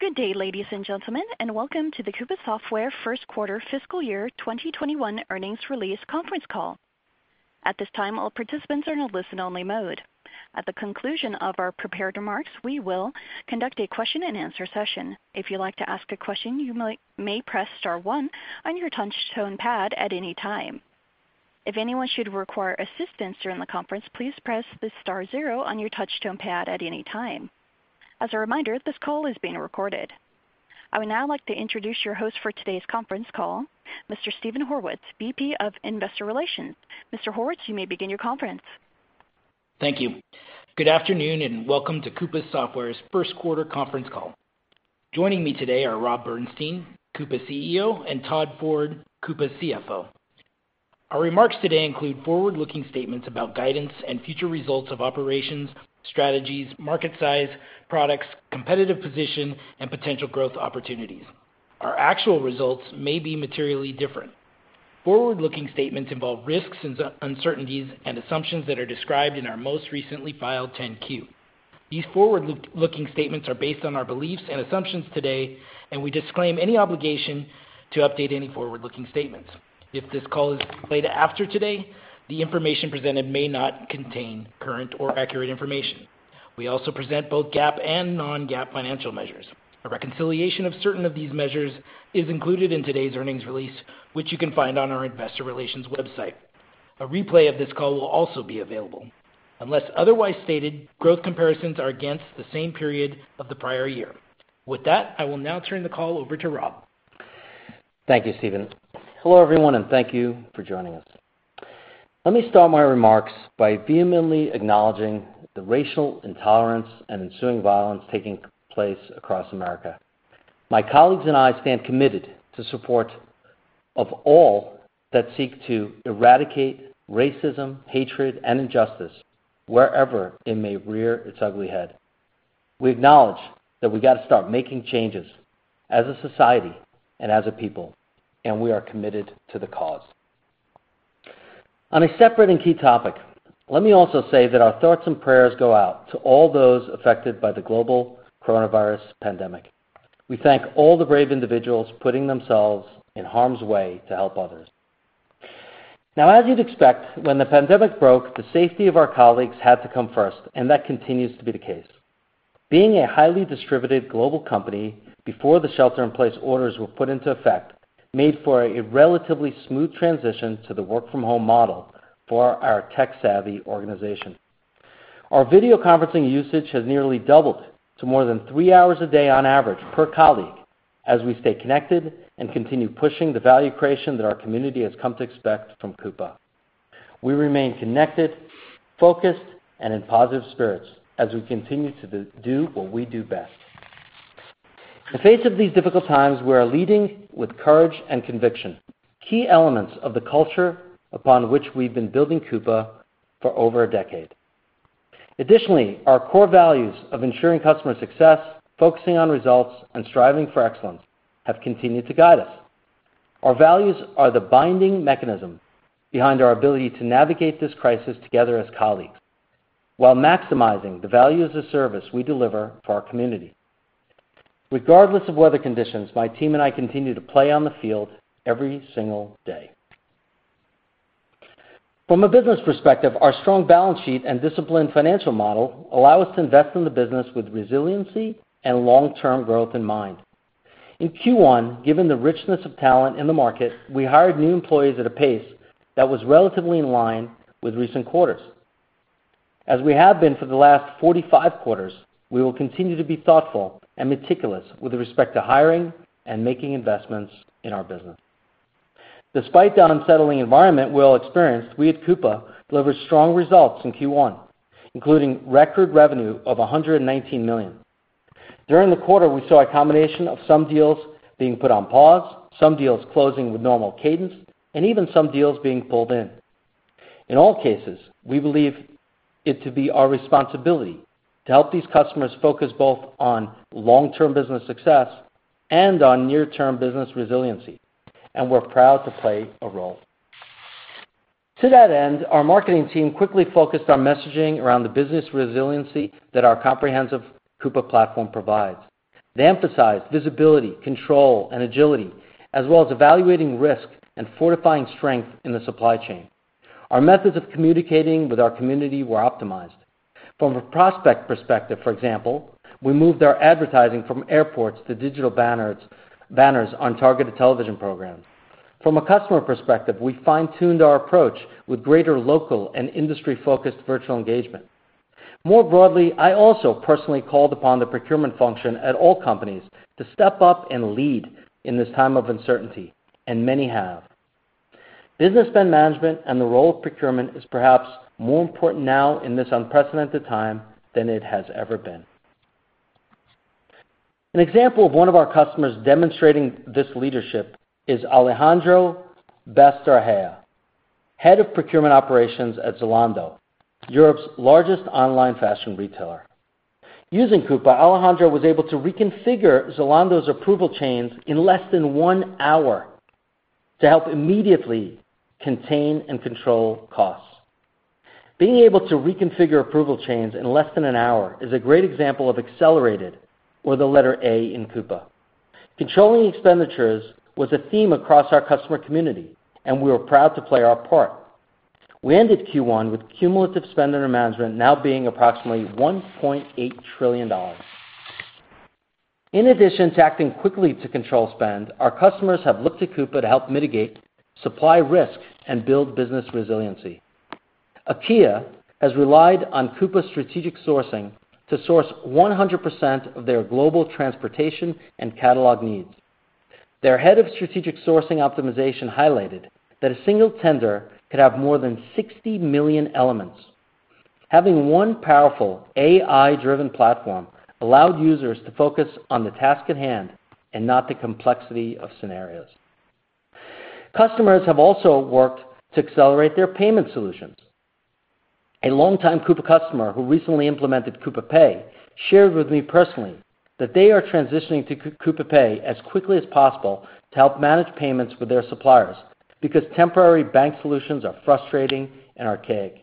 Good day, ladies and gentlemen, and welcome to the Coupa Software first quarter fiscal year 2021 earnings release conference call. At this time, all participants are in a listen-only mode. At the conclusion of our prepared remarks, we will conduct a question and answer session. If you'd like to ask a question, you may press star one on your touch-tone pad at any time. If anyone should require assistance during the conference, please press the star zero on your touch-tone pad at any time. As a reminder, this call is being recorded. I would now like to introduce your host for today's conference call, Mr. Steven Horwitz, VP of Investor Relations. Mr. Horwitz, you may begin your conference. Thank you. Good afternoon, and welcome to Coupa Software's first quarter conference call. Joining me today are Rob Bernshteyn, Coupa CEO, and Todd Ford, Coupa CFO. Our remarks today include forward-looking statements about guidance and future results of operations, strategies, market size, products, competitive position, and potential growth opportunities. Our actual results may be materially different. Forward-looking statements involve risks and uncertainties and assumptions that are described in our most recently filed 10-Q. These forward-looking statements are based on our beliefs and assumptions today, and we disclaim any obligation to update any forward-looking statements. If this call is played after today, the information presented may not contain current or accurate information. We also present both GAAP and non-GAAP financial measures. A reconciliation of certain of these measures is included in today's earnings release, which you can find on our investor relations website. A replay of this call will also be available. Unless otherwise stated, growth comparisons are against the same period of the prior year. With that, I will now turn the call over to Rob. Thank you, Steven. Hello, everyone, and thank you for joining us. Let me start my remarks by vehemently acknowledging the racial intolerance and ensuing violence taking place across America. My colleagues and I stand committed to support of all that seek to eradicate racism, hatred, and injustice wherever it may rear its ugly head. We acknowledge that we got to start making changes as a society and as a people, and we are committed to the cause. On a separate and key topic, let me also say that our thoughts and prayers go out to all those affected by the global coronavirus pandemic. We thank all the brave individuals putting themselves in harm's way to help others. As you'd expect, when the pandemic broke, the safety of our colleagues had to come first, and that continues to be the case. Being a highly distributed global company before the shelter-in-place orders were put into effect made for a relatively smooth transition to the work-from-home model for our tech-savvy organization. Our video conferencing usage has nearly doubled to more than three hours a day on average per colleague as we stay connected and continue pushing the value creation that our community has come to expect from Coupa. We remain connected, focused, and in positive spirits as we continue to do what we do best. In the face of these difficult times, we are leading with courage and conviction, key elements of the culture upon which we've been building Coupa for over a decade. Additionally, our core values of ensuring customer success, focusing on results, and striving for excellence have continued to guide us. Our values are the binding mechanism behind our ability to navigate this crisis together as colleagues while maximizing the value as a service we deliver to our community. Regardless of weather conditions, my team and I continue to play on the field every single day. From a business perspective, our strong balance sheet and disciplined financial model allow us to invest in the business with resiliency and long-term growth in mind. In Q1, given the richness of talent in the market, we hired new employees at a pace that was relatively in line with recent quarters. As we have been for the last 45 quarters, we will continue to be thoughtful and meticulous with respect to hiring and making investments in our business. Despite the unsettling environment we all experienced, we at Coupa delivered strong results in Q1, including record revenue of $119 million. During the quarter, we saw a combination of some deals being put on pause, some deals closing with normal cadence, and even some deals being pulled in. In all cases, we believe it to be our responsibility to help these customers focus both on long-term business success and on near-term business resiliency, and we're proud to play a role. To that end, our marketing team quickly focused our messaging around the business resiliency that our comprehensive Coupa platform provides. They emphasized visibility, control, and agility, as well as evaluating risk and fortifying strength in the supply chain. Our methods of communicating with our community were optimized. From a prospect perspective, for example, we moved our advertising from airports to digital banners on targeted television programs. From a customer perspective, we fine-tuned our approach with greater local and industry-focused virtual engagement. More broadly, I also personally called upon the procurement function at all companies to step up and lead in this time of uncertainty, and many have. Business Spend Management and the role of procurement is perhaps more important now in this unprecedented time than it has ever been. An example of one of our customers demonstrating this leadership is Alejandro Basterrechea, Head of Procurement Operations at Zalando, Europe's largest online fashion retailer. Using Coupa, Alejandro was able to reconfigure Zalando's approval chains in less than one hour to help immediately contain and control costs. Being able to reconfigure approval chains in less than an hour is a great example of Accelerate with the letter A in Coupa. Controlling expenditures was a theme across our customer community, and we were proud to play our part. We ended Q1 with cumulative spend under management now being approximately $1.8 trillion. In addition to acting quickly to control spend, our customers have looked to Coupa to help mitigate supply risk and build business resiliency. IKEA has relied on Coupa Strategic Sourcing to source 100% of their global transportation and catalog needs. Their head of strategic sourcing optimization highlighted that a single tender could have more than 60 million elements. Having one powerful AI-driven platform allowed users to focus on the task at hand and not the complexity of scenarios. Customers have also worked to accelerate their payment solutions. A longtime Coupa customer who recently implemented Coupa Pay shared with me personally that they are transitioning to Coupa Pay as quickly as possible to help manage payments with their suppliers because temporary bank solutions are frustrating and archaic.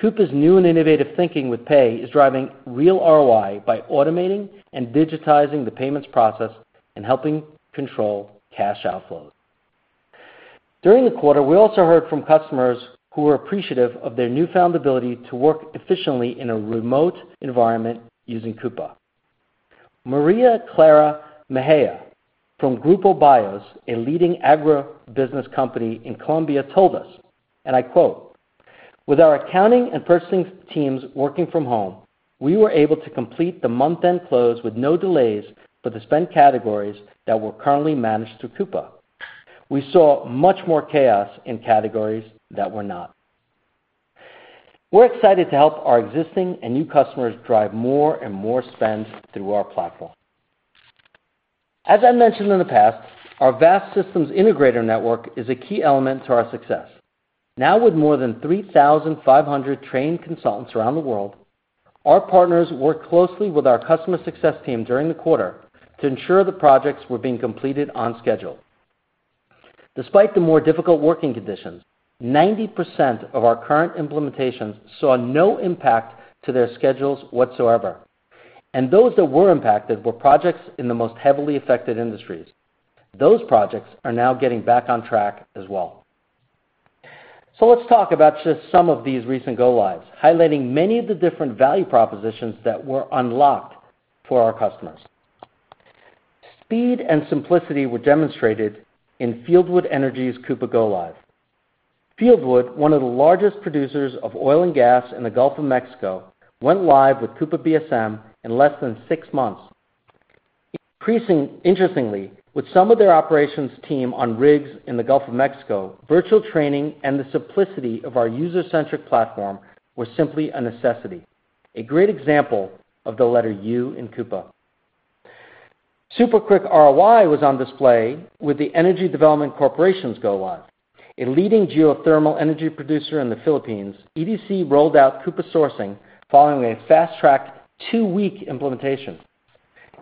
Coupa's new and innovative thinking with Pay is driving real ROI by automating and digitizing the payments process and helping control cash outflows. During the quarter, we also heard from customers who were appreciative of their newfound ability to work efficiently in a remote environment using Coupa. Maria Clara Mejia from Grupo Bios, a leading agribusiness company in Colombia, told us, and I quote, "With our accounting and purchasing teams working from home, we were able to complete the month-end close with no delays for the spend categories that were currently managed through Coupa. We saw much more chaos in categories that were not." We're excited to help our existing and new customers drive more and more spend through our platform. As I mentioned in the past, our vast systems integrator network is a key element to our success. Now, with more than 3,500 trained consultants around the world, our partners worked closely with our customer success team during the quarter to ensure the projects were being completed on schedule. Despite the more difficult working conditions, 90% of our current implementations saw no impact to their schedules whatsoever, and those that were impacted were projects in the most heavily affected industries. Those projects are now getting back on track as well. Let's talk about just some of these recent go-lives, highlighting many of the different value propositions that were unlocked for our customers. Speed and simplicity were demonstrated in Fieldwood Energy's Coupa go-live. Fieldwood, one of the largest producers of oil and gas in the Gulf of Mexico, went live with Coupa BSM in less than six months. Interestingly, with some of their operations team on rigs in the Gulf of Mexico, virtual training and the simplicity of our user-centric platform were simply a necessity. A great example of the letter U in Coupa. Super quick ROI was on display with the Energy Development Corporation's go-live. A leading geothermal energy producer in the Philippines, EDC rolled out Coupa Sourcing following a fast-track two-week implementation.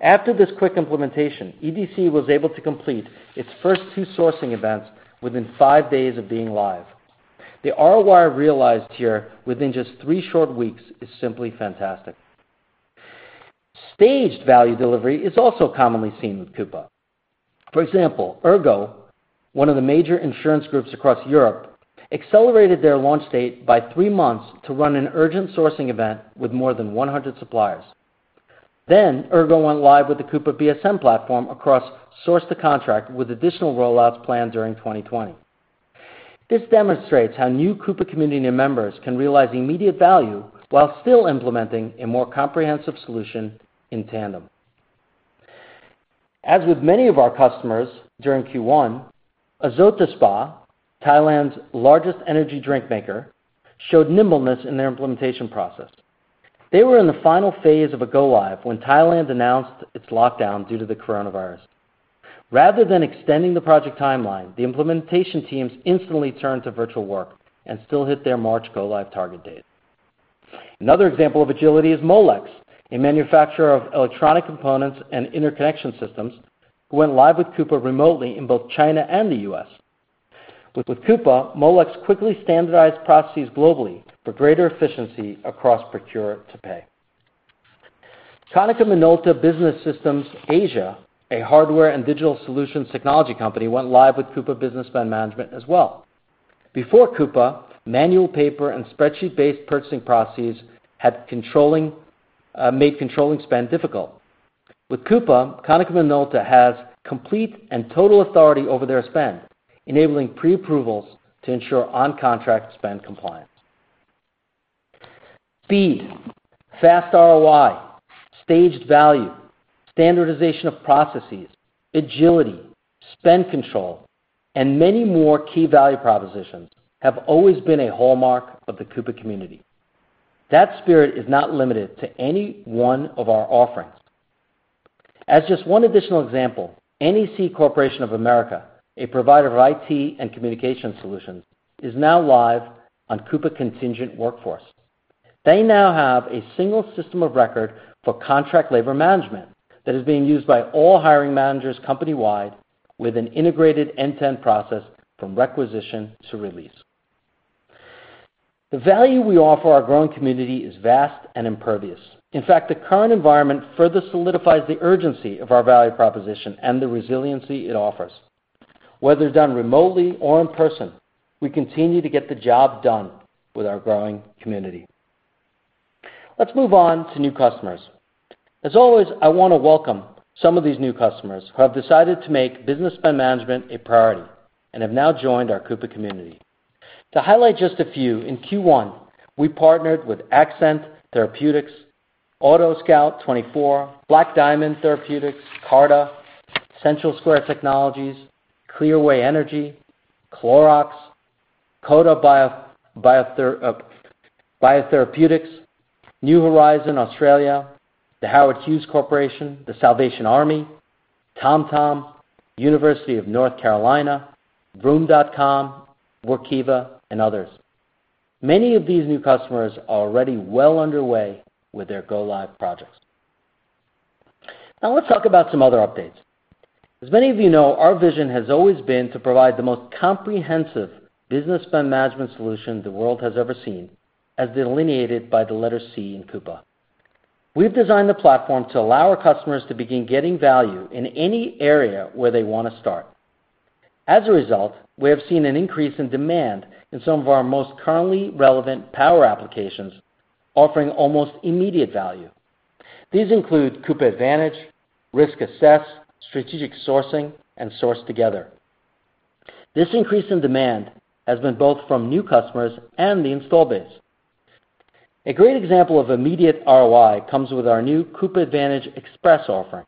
After this quick implementation, EDC was able to complete its first two sourcing events within five days of being live. The ROI realized here within just three short weeks is simply fantastic. Staged value delivery is also commonly seen with Coupa. For example, ERGO, one of the major insurance groups across Europe, accelerated their launch date by three months to run an urgent sourcing event with more than 100 suppliers. ERGO went live with the Coupa BSM platform across source to contract with additional rollouts planned during 2020. This demonstrates how new Coupa community members can realize immediate value while still implementing a more comprehensive solution in tandem. As with many of our customers during Q1, Osotspa, Thailand's largest energy drink maker, showed nimbleness in their implementation process. They were in the final phase of a go-live when Thailand announced its lockdown due to the coronavirus. Rather than extending the project timeline, the implementation teams instantly turned to virtual work and still hit their March go-live target date. Another example of agility is Molex, a manufacturer of electronic components and interconnection systems, who went live with Coupa remotely in both China and the U.S. With Coupa, Molex quickly standardized processes globally for greater efficiency across procure-to-pay. Konica Minolta Business Solutions Asia, a hardware and digital solutions technology company, went live with Coupa Business Spend Management as well. Before Coupa, manual paper and spreadsheet-based purchasing processes made controlling spend difficult. With Coupa, Konica Minolta has complete and total authority over their spend, enabling pre-approvals to ensure on-contract spend compliance. Speed, fast ROI, staged value, standardization of processes, agility, spend control, many more key value propositions have always been a hallmark of the Coupa community. That spirit is not limited to any one of our offerings. As just one additional example, NEC Corporation of America, a provider of IT and communication solutions, is now live on Coupa Contingent Workforce. They now have a single system of record for contract labor management that is being used by all hiring managers company-wide with an integrated end-to-end process from requisition to release. The value we offer our growing community is vast and impervious. In fact, the current environment further solidifies the urgency of our value proposition and the resiliency it offers. Whether done remotely or in person, we continue to get the job done with our growing community. Let's move on to new customers. As always, I want to welcome some of these new customers who have decided to make business spend management a priority and have now joined our Coupa Community. To highlight just a few, in Q1, we partnered with Accent Therapeutics, AutoScout24, Black Diamond Therapeutics, Carta, CentralSquare Technologies, Clearway Energy, Clorox, COTA, New Horizons Australia, the Howard Hughes Corporation, the Salvation Army, TomTom, University of North Carolina, Vroom.com, Workiva, and others. Many of these new customers are already well underway with their go-live projects. Let's talk about some other updates. As many of you know, our vision has always been to provide the most comprehensive business spend management solution the world has ever seen, as delineated by the letter C in Coupa. We've designed the platform to allow our customers to begin getting value in any area where they want to start. As a result, we have seen an increase in demand in some of our most currently relevant power applications, offering almost immediate value. These include Coupa Advantage, Risk Assess, Strategic Sourcing, and Source Together. This increase in demand has been both from new customers and the install base. A great example of immediate ROI comes with our new Coupa Advantage Express offering.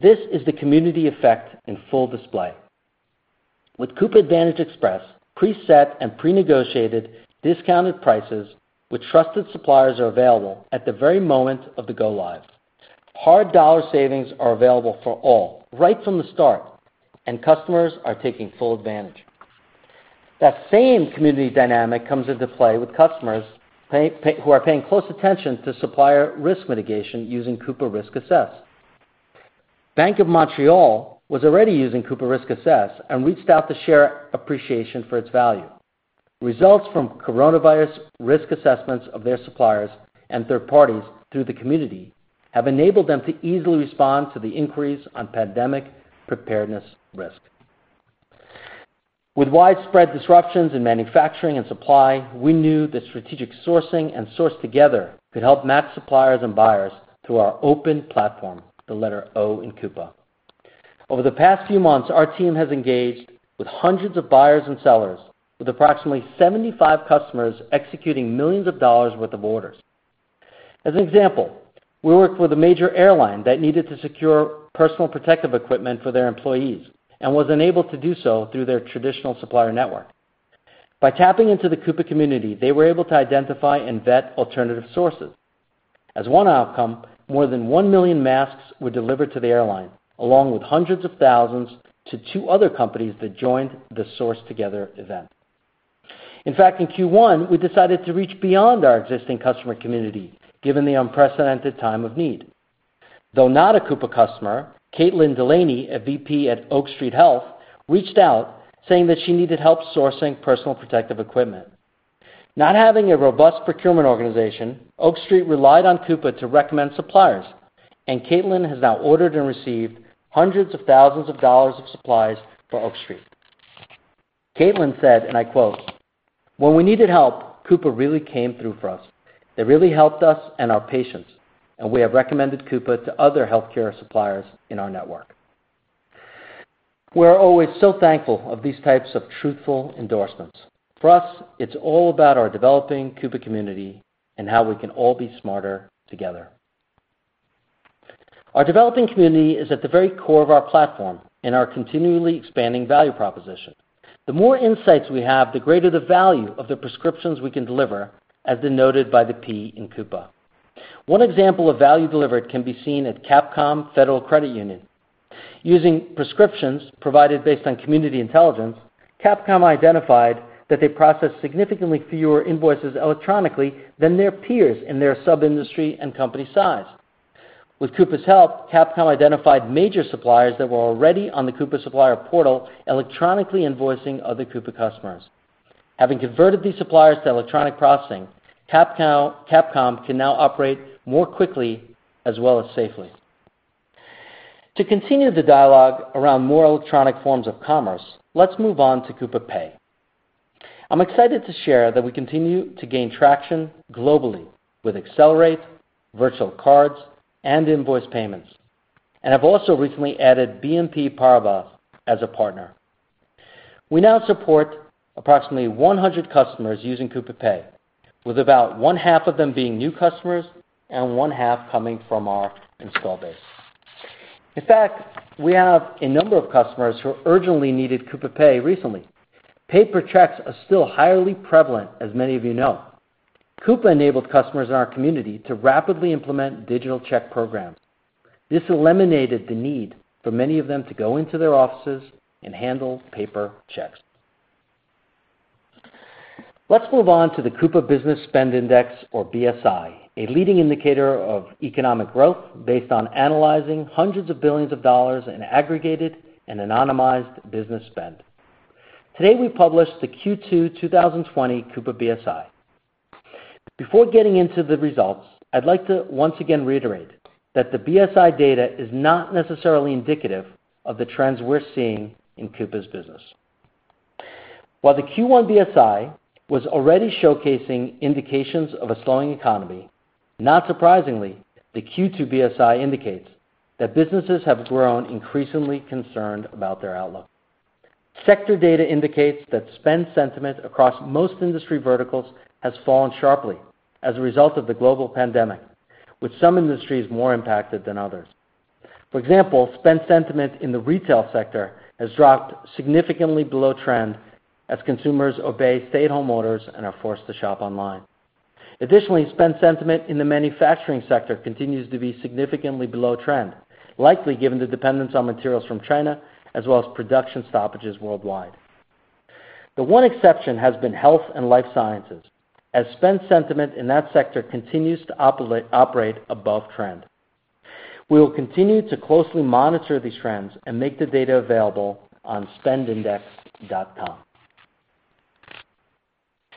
This is the community effect in full display. With Coupa Advantage Express, preset and prenegotiated discounted prices with trusted suppliers are available at the very moment of the go-live. Hard dollar savings are available for all right from the start, and customers are taking full advantage. That same community dynamic comes into play with customers who are paying close attention to supplier risk mitigation using Coupa Risk Assess. Bank of Montreal was already using Coupa Risk Assess and reached out to share appreciation for its value. Results from coronavirus risk assessments of their suppliers and third parties through the community have enabled them to easily respond to the inquiries on pandemic preparedness risk. With widespread disruptions in manufacturing and supply, we knew that Strategic Sourcing and Source Together could help match suppliers and buyers through our open platform, the letter O in Coupa. Over the past few months, our team has engaged with hundreds of buyers and sellers, with approximately 75 customers executing millions of dollars worth of orders. As an example, we worked with a major airline that needed to secure personal protective equipment for their employees and was unable to do so through their traditional supplier network. By tapping into the Coupa community, they were able to identify and vet alternative sources. As one outcome, more than 1 million masks were delivered to the airline, along with hundreds of thousands to two other companies that joined the Source Together event. In fact, in Q1, we decided to reach beyond our existing customer community, given the unprecedented time of need. Though not a Coupa customer, Caitlin Delaney, a VP at Oak Street Health, reached out saying that she needed help sourcing personal protective equipment. Not having a robust procurement organization, Oak Street relied on Coupa to recommend suppliers, and Caitlin has now ordered and received hundreds of thousands of dollars of supplies for Oak Street. Caitlin said, and I quote, "When we needed help, Coupa really came through for us. It really helped us and our patients, and we have recommended Coupa to other healthcare suppliers in our network." We're always so thankful of these types of truthful endorsements. For us, it's all about our developing Coupa community and how we can all be smarter together. Our developing community is at the very core of our platform and our continually expanding value proposition. The more insights we have, the greater the value of the prescriptions we can deliver, as denoted by the P in Coupa. One example of value delivered can be seen at CAP COM Federal Credit Union. Using prescriptions provided based on community intelligence, CAP COM identified that they process significantly fewer invoices electronically than their peers in their sub-industry and company size. With Coupa's help, CAP COM identified major suppliers that were already on the Coupa supplier portal electronically invoicing other Coupa customers. Having converted these suppliers to electronic processing, CAP COM can now operate more quickly as well as safely. To continue the dialogue around more electronic forms of commerce, let's move on to Coupa Pay. I'm excited to share that we continue to gain traction globally with Accelerate, virtual cards, and invoice payments, and have also recently added BNP Paribas as a partner. We now support approximately 100 customers using Coupa Pay, with about one-half of them being new customers and one-half coming from our install base. In fact, we have a number of customers who urgently needed Coupa Pay recently. Paper checks are still highly prevalent, as many of you know. Coupa enabled customers in our community to rapidly implement digital check programs. This eliminated the need for many of them to go into their offices and handle paper checks. Let's move on to the Coupa Business Spend Index, or BSI, a leading indicator of economic growth based on analyzing hundreds of billions of dollars in aggregated and anonymized business spend. Today, we published the Q2 2020 Coupa BSI. Before getting into the results, I'd like to once again reiterate that the BSI data is not necessarily indicative of the trends we're seeing in Coupa's business. While the Q1 BSI was already showcasing indications of a slowing economy, not surprisingly, the Q2 BSI indicates that businesses have grown increasingly concerned about their outlook. Sector data indicates that spend sentiment across most industry verticals has fallen sharply as a result of the global pandemic, with some industries more impacted than others. For example, spend sentiment in the retail sector has dropped significantly below trend as consumers obey stay-at-home orders and are forced to shop online. Additionally, spend sentiment in the manufacturing sector continues to be significantly below trend, likely given the dependence on materials from China, as well as production stoppages worldwide. The one exception has been health and life sciences, as spend sentiment in that sector continues to operate above trend. We will continue to closely monitor these trends and make the data available on spendindex.com.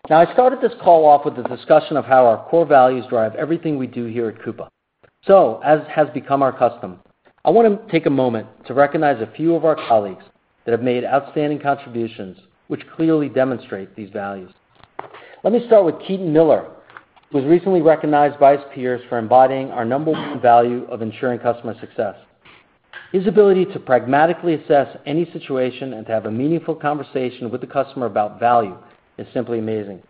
I started this call off with a discussion of how our core values drive everything we do here at Coupa. As has become our custom, I want to take a moment to recognize a few of our colleagues that have made outstanding contributions, which clearly demonstrate these values. Let me start with Keaton Miller, who was recently recognized by his peers for embodying our number one value of ensuring customer success. His ability to pragmatically assess any situation and to have a meaningful conversation with the customer about value is simply amazing.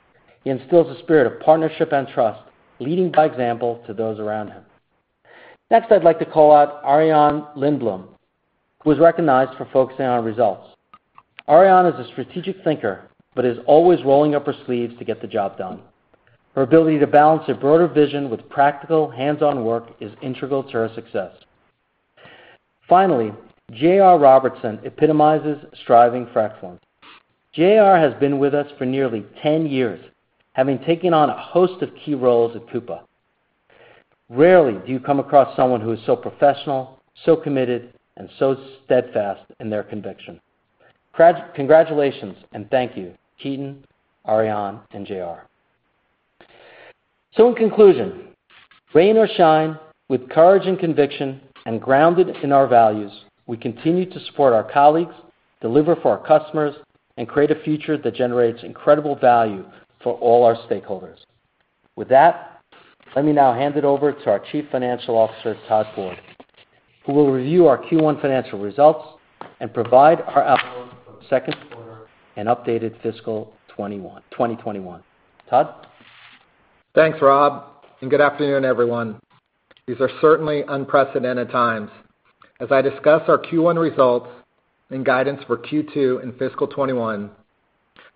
He instills a spirit of partnership and trust, leading by example to those around him. Next, I'd like to call out Arianne Lindblom, who was recognized for focusing on results. Arianne is a strategic thinker but is always rolling up her sleeves to get the job done. Her ability to balance a broader vision with practical hands-on work is integral to her success. Finally, JR Robertson epitomizes striving for excellence. JR has been with us for nearly 10 years, having taken on a host of key roles at Coupa. Rarely do you come across someone who is so professional, so committed, and so steadfast in their conviction. Congratulations. Thank you, Keaton, Arianne, and JR. In conclusion, rain or shine, with courage and conviction, and grounded in our values, we continue to support our colleagues, deliver for our customers, and create a future that generates incredible value for all our stakeholders. With that, let me now hand it over to our Chief Financial Officer, Todd Ford, who will review our Q1 financial results and provide our outlook for the second quarter and updated fiscal 2021. Todd? Thanks, Rob. Good afternoon, everyone. These are certainly unprecedented times. As I discuss our Q1 results and guidance for Q2 and fiscal 2021,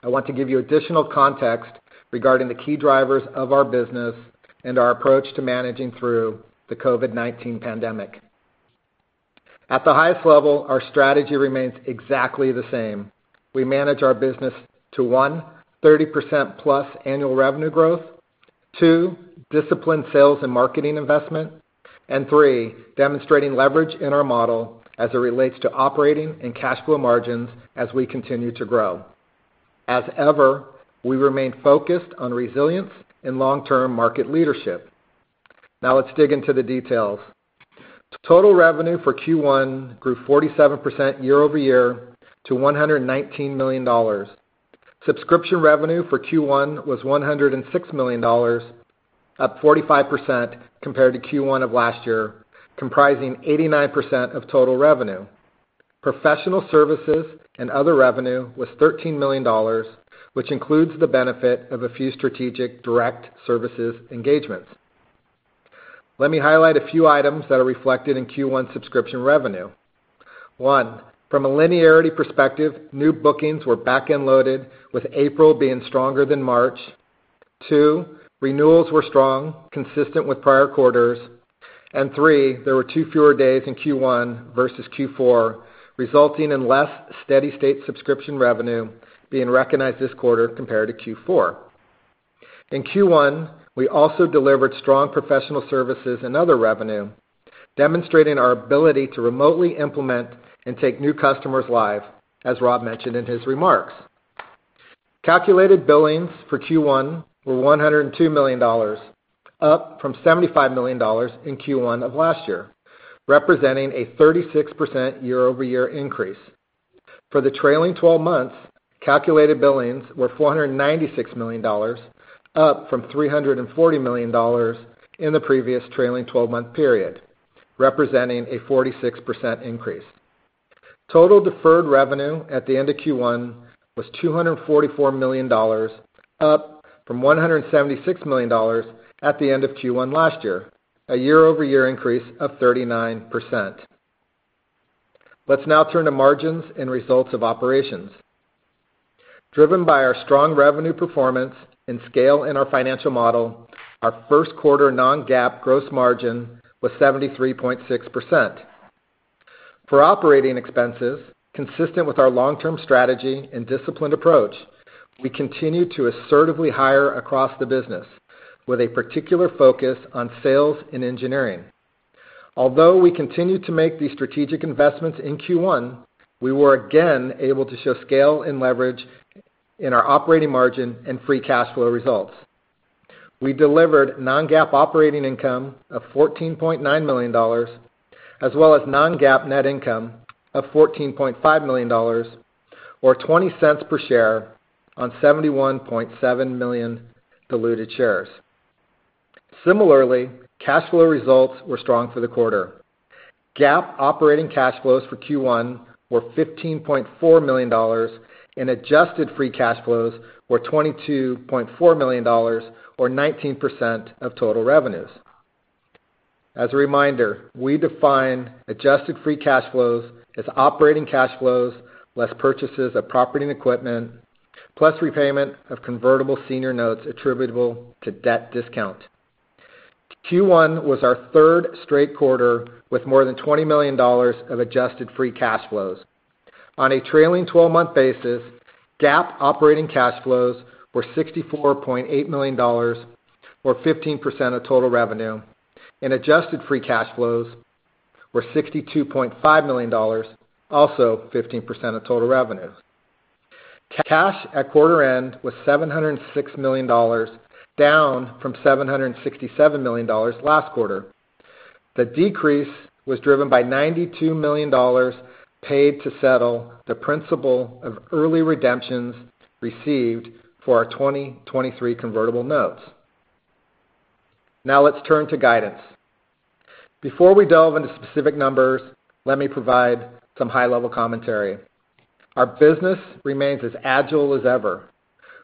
I want to give you additional context regarding the key drivers of our business and our approach to managing through the COVID-19 pandemic. At the highest level, our strategy remains exactly the same. We manage our business to, one, 30%+ annual revenue growth. Two, disciplined sales and marketing investment. Three, demonstrating leverage in our model as it relates to operating and cash flow margins as we continue to grow. As ever, we remain focused on resilience and long-term market leadership. Let's dig into the details. Total revenue for Q1 grew 47% year-over-year to $119 million. Subscription revenue for Q1 was $106 million, up 45% compared to Q1 of last year, comprising 89% of total revenue. Professional services and other revenue was $13 million, which includes the benefit of a few strategic direct services engagements. Let me highlight a few items that are reflected in Q1 subscription revenue. One, from a linearity perspective, new bookings were back-end loaded, with April being stronger than March. Two, renewals were strong, consistent with prior quarters. Three, there were two fewer days in Q1 versus Q4, resulting in less steady state subscription revenue being recognized this quarter compared to Q4. In Q1, we also delivered strong professional services and other revenue, demonstrating our ability to remotely implement and take new customers live, as Rob mentioned in his remarks. Calculated billings for Q1 were $102 million, up from $75 million in Q1 of last year, representing a 36% year-over-year increase. For the trailing 12 months, calculated billings were $496 million, up from $340 million in the previous trailing 12-month period, representing a 46% increase. Total deferred revenue at the end of Q1 was $244 million, up from $176 million at the end of Q1 last year, a year-over-year increase of 39%. Let's now turn to margins and results of operations. Driven by our strong revenue performance and scale in our financial model, our first quarter non-GAAP gross margin was 73.6%. For operating expenses, consistent with our long-term strategy and disciplined approach, we continue to assertively hire across the business, with a particular focus on sales and engineering. Although we continued to make these strategic investments in Q1, we were again able to show scale and leverage in our operating margin and free cash flow results. We delivered non-GAAP operating income of $14.9 million, as well as non-GAAP net income of $14.9 million, or $0.20 per share on 71.7 million diluted shares. Similarly, cash flow results were strong for the quarter. GAAP operating cash flows for Q1 were $15.4 million, and adjusted free cash flows were $22.4 million, or 19% of total revenues. As a reminder, we define adjusted free cash flows as operating cash flows, less purchases of property and equipment, plus repayment of convertible senior notes attributable to debt discount. Q1 was our third straight quarter with more than $20 million of adjusted free cash flows. On a trailing 12-month basis, GAAP operating cash flows were $64.8 million, or 15% of total revenue, and adjusted free cash flows were $62.5 million, also 15% of total revenue. Cash at quarter end was $706 million, down from $767 million last quarter. The decrease was driven by $92 million paid to settle the principal of early redemptions received for our 2023 convertible notes. Now let's turn to guidance. Before we delve into specific numbers, let me provide some high-level commentary. Our business remains as agile as ever.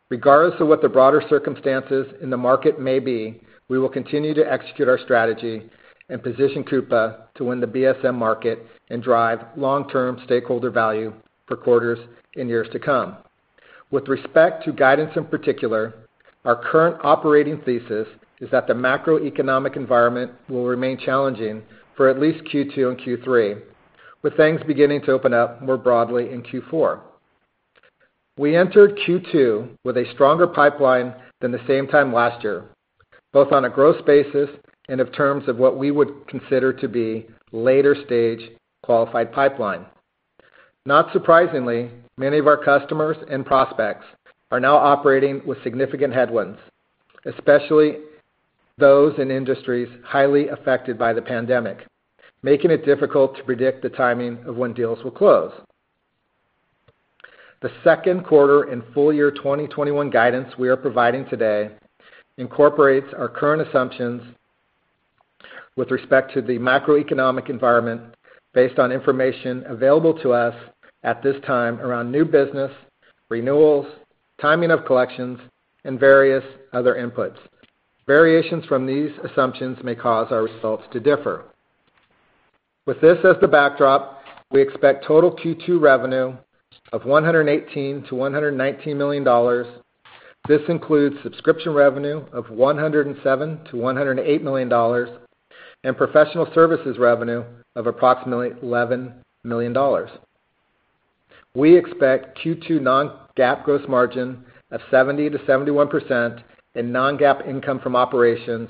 Regardless of what the broader circumstances in the market may be, we will continue to execute our strategy and position Coupa to win the BSM market and drive long-term stakeholder value for quarters and years to come. With respect to guidance in particular, our current operating thesis is that the macroeconomic environment will remain challenging for at least Q2 and Q3, with things beginning to open up more broadly in Q4. We entered Q2 with a stronger pipeline than the same time last year, both on a growth basis and in terms of what we would consider to be later-stage qualified pipeline. Not surprisingly, many of our customers and prospects are now operating with significant headwinds, especially those in industries highly affected by the pandemic, making it difficult to predict the timing of when deals will close. The second quarter and full year 2021 guidance we are providing today incorporates our current assumptions with respect to the macroeconomic environment based on information available to us at this time around new business, renewals, timing of collections, and various other inputs. Variations from these assumptions may cause our results to differ. With this as the backdrop, we expect total Q2 revenue of $118 million-$119 million. This includes subscription revenue of $107 million-$108 million and professional services revenue of approximately $11 million. We expect Q2 non-GAAP gross margin of 70%-71% and non-GAAP income from operations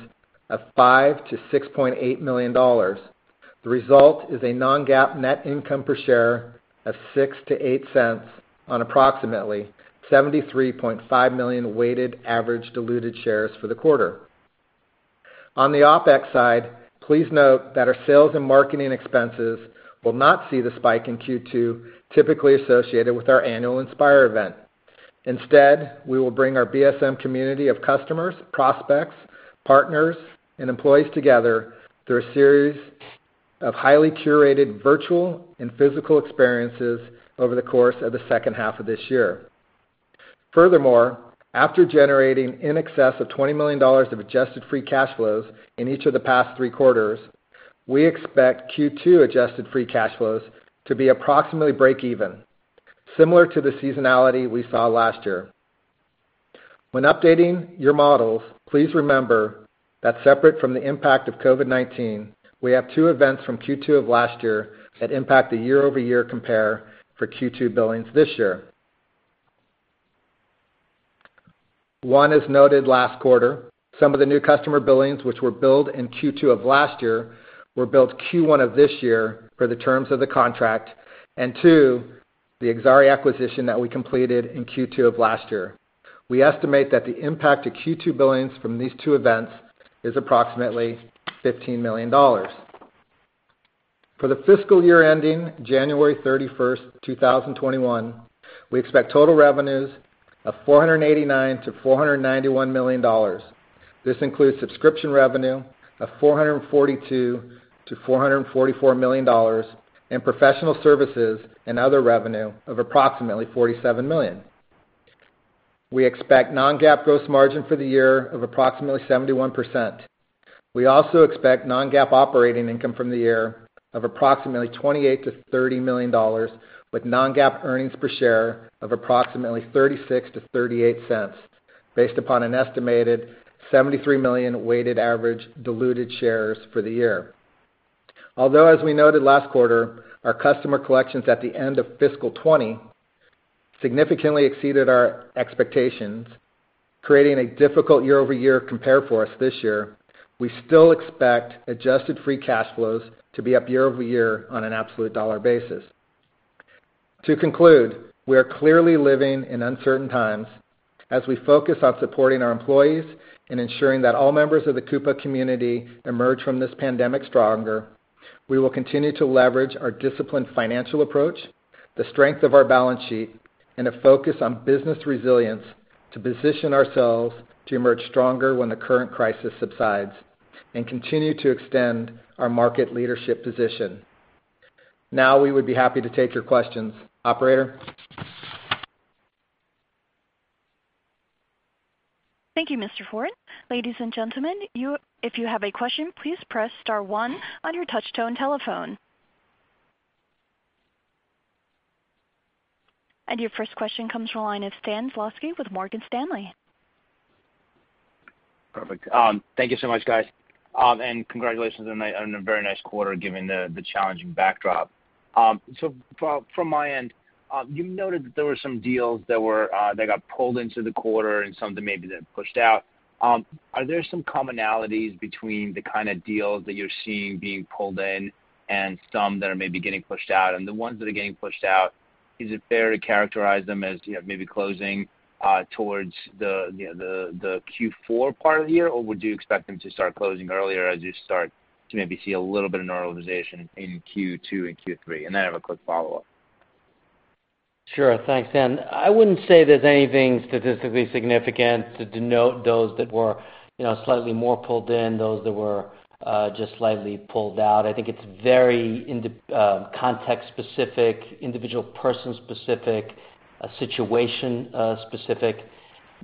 of $5 million-$6.8 million. The result is a non-GAAP net income per share of $0.06-$0.08 on approximately 73.5 million weighted average diluted shares for the quarter. On the OpEx side, please note that our sales and marketing expenses will not see the spike in Q2 typically associated with our annual Inspire event. Instead, we will bring our BSM community of customers, prospects, partners, and employees together through a series of highly curated virtual and physical experiences over the course of the second half of this year. After generating in excess of $20 million of adjusted free cash flows in each of the past three quarters, we expect Q2 adjusted free cash flows to be approximately break even, similar to the seasonality we saw last year. When updating your models, please remember that separate from the impact of COVID-19, we have two events from Q2 of last year that impact the year-over-year compare for Q2 billings this year. One is noted last quarter. Some of the new customer billings, which were billed in Q2 of last year, were billed Q1 of this year per the terms of the contract. Two, the Exari acquisition that we completed in Q2 of last year. We estimate that the impact to Q2 billings from these two events is approximately $15 million. For the fiscal year ending January 31st, 2021, we expect total revenues of $489 million-$491 million. This includes subscription revenue of $442 million-$444 million and professional services and other revenue of approximately $47 million. We expect non-GAAP gross margin for the year of approximately 71%. We also expect non-GAAP operating income from the year of approximately $28 million-$30 million, with non-GAAP earnings per share of approximately $0.36-$0.38, based upon an estimated 73 million weighted average diluted shares for the year. Although, as we noted last quarter, our customer collections at the end of fiscal 2020 significantly exceeded our expectations, creating a difficult year-over-year compare for us this year, we still expect adjusted free cash flows to be up year-over-year on an absolute dollar basis. To conclude, we are clearly living in uncertain times. As we focus on supporting our employees and ensuring that all members of the Coupa community emerge from this pandemic stronger, we will continue to leverage our disciplined financial approach, the strength of our balance sheet, and a focus on business resilience to position ourselves to emerge stronger when the current crisis subsides and continue to extend our market leadership position. Now, we would be happy to take your questions. Operator? Thank you, Mr. Ford. Ladies and gentlemen, if you have a question, please press star one on your touch-tone telephone. Your first question comes from the line of Stan Zlotsky with Morgan Stanley. Perfect. Thank you so much, guys. Congratulations on a very nice quarter given the challenging backdrop. From my end, you noted that there were some deals that got pulled into the quarter and some that maybe got pushed out. Are there some commonalities between the kind of deals that you're seeing being pulled in and some that are maybe getting pushed out? The ones that are getting pushed out, is it fair to characterize them as maybe closing towards the Q4 part of the year? Would you expect them to start closing earlier as you start to maybe see a little bit of normalization in Q2 and Q3? I have a quick follow-up. Sure. Thanks, Stan. I wouldn't say there's anything statistically significant to denote those that were slightly more pulled in, those that were just slightly pulled out. I think it's very context-specific, individual person-specific, situation-specific.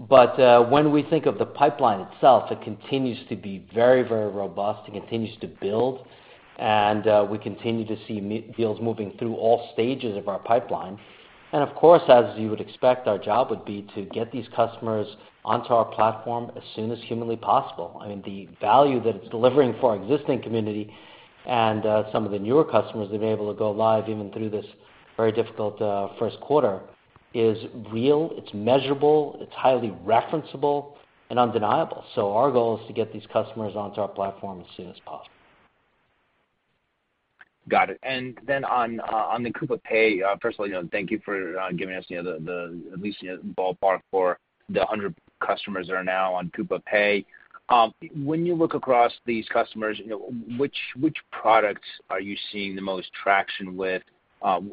When we think of the pipeline itself, it continues to be very, very robust. It continues to build, we continue to see deals moving through all stages of our pipeline. Of course, as you would expect, our job would be to get these customers onto our platform as soon as humanly possible. I mean, the value that it's delivering for our existing community and some of the newer customers that have been able to go live even through this very difficult first quarter is real, it's measurable, it's highly referenceable, and undeniable. Our goal is to get these customers onto our platform as soon as possible. Got it. Then on the Coupa Pay, first of all, thank you for giving us at least a ballpark for the 100 customers that are now on Coupa Pay. When you look across these customers, which products are you seeing the most traction with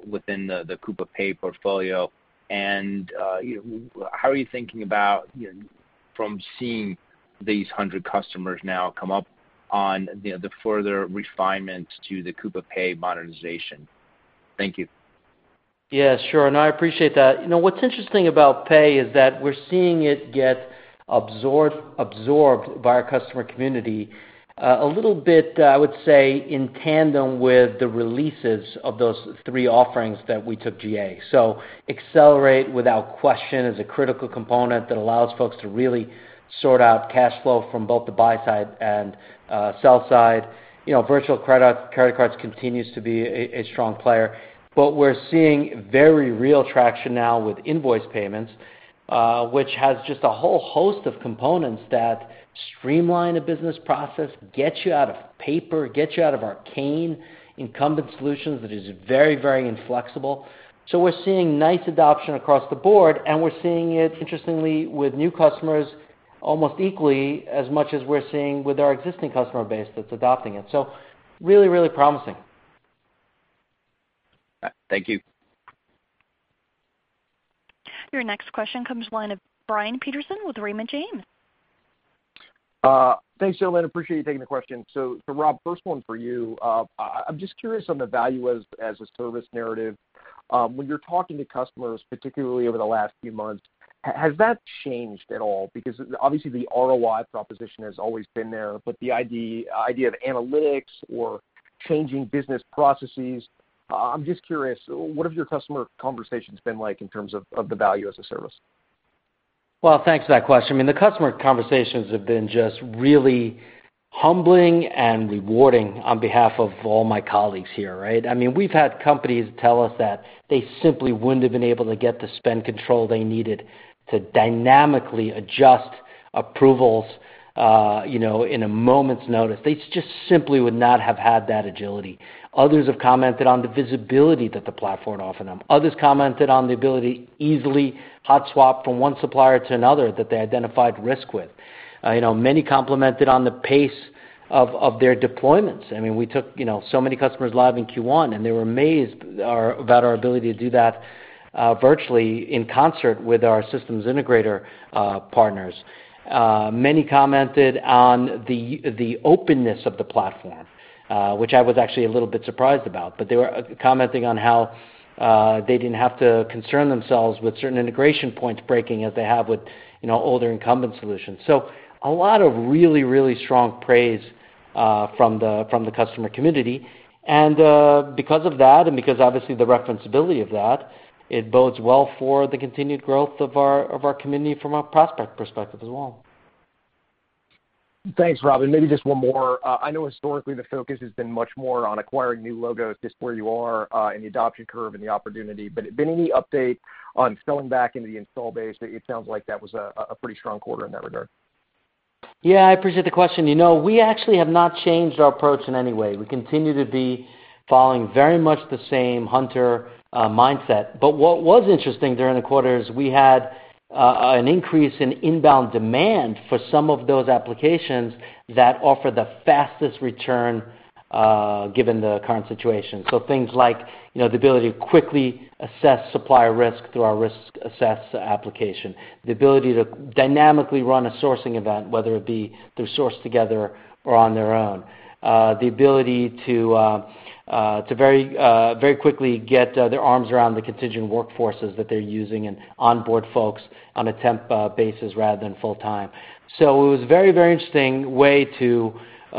within the Coupa Pay portfolio? How are you thinking about from seeing these 100 customers now come up on the further refinements to the Coupa Pay modernization? Thank you. Yeah, sure. I appreciate that. What's interesting about Coupa Pay is that we're seeing it get absorbed by our customer community a little bit, I would say, in tandem with the releases of those three offerings that we took GA. Accelerate, without question, is a critical component that allows folks to really sort out cash flow from both the buy side and sell side. Virtual credit cards continues to be a strong player. We're seeing very real traction now with invoice payments, which has just a whole host of components that streamline a business process, get you out of paper, get you out of arcane incumbent solutions that is very, very inflexible. We're seeing nice adoption across the board, and we're seeing it, interestingly, with new customers almost equally as much as we're seeing with our existing customer base that's adopting it. Really, really promising. Thank you. Your next question comes from the line of Brian Peterson with Raymond James. Thanks, Joanne. Appreciate you taking the question. Rob, first one for you. I'm just curious on the value as a service narrative. When you're talking to customers, particularly over the last few months, has that changed at all? Obviously the ROI proposition has always been there, but the idea of analytics or changing business processes, I'm just curious, what have your customer conversations been like in terms of the value as a service? Well, thanks for that question. I mean, the customer conversations have been just really humbling and rewarding on behalf of all my colleagues here, right? I mean, we've had companies tell us that they simply wouldn't have been able to get the spend control they needed to dynamically adjust approvals in a moment's notice. They just simply would not have had that agility. Others have commented on the visibility that the platform offered them. Others commented on the ability to easily hot swap from one supplier to another that they identified risk with. Many complimented on the pace of their deployments. I mean, we took so many customers live in Q1, and they were amazed about our ability to do that virtually in concert with our systems integrator partners. Many commented on the openness of the platform, which I was actually a little bit surprised about. They were commenting on how they didn't have to concern themselves with certain integration points breaking as they have with older incumbent solutions. A lot of really, really strong praise from the customer community. Because of that, and because obviously the reference-ability of that, it bodes well for the continued growth of our community from a prospect perspective as well. Thanks, Rob. Maybe just one more. I know historically the focus has been much more on acquiring new logos, just where you are in the adoption curve and the opportunity. Been any update on selling back into the install base? It sounds like that was a pretty strong quarter in that regard. Yeah, I appreciate the question. We actually have not changed our approach in any way. We continue to be following very much the same hunter mindset. What was interesting during the quarter is we had an increase in inbound demand for some of those applications that offer the fastest return, given the current situation. Things like, the ability to quickly assess supplier risk through our Risk Assess application. The ability to dynamically run a sourcing event, whether it be through Source Together or on their own. The ability to very quickly get their arms around the contingent workforces that they're using and onboard folks on a temp basis rather than full-time. It was a very interesting way to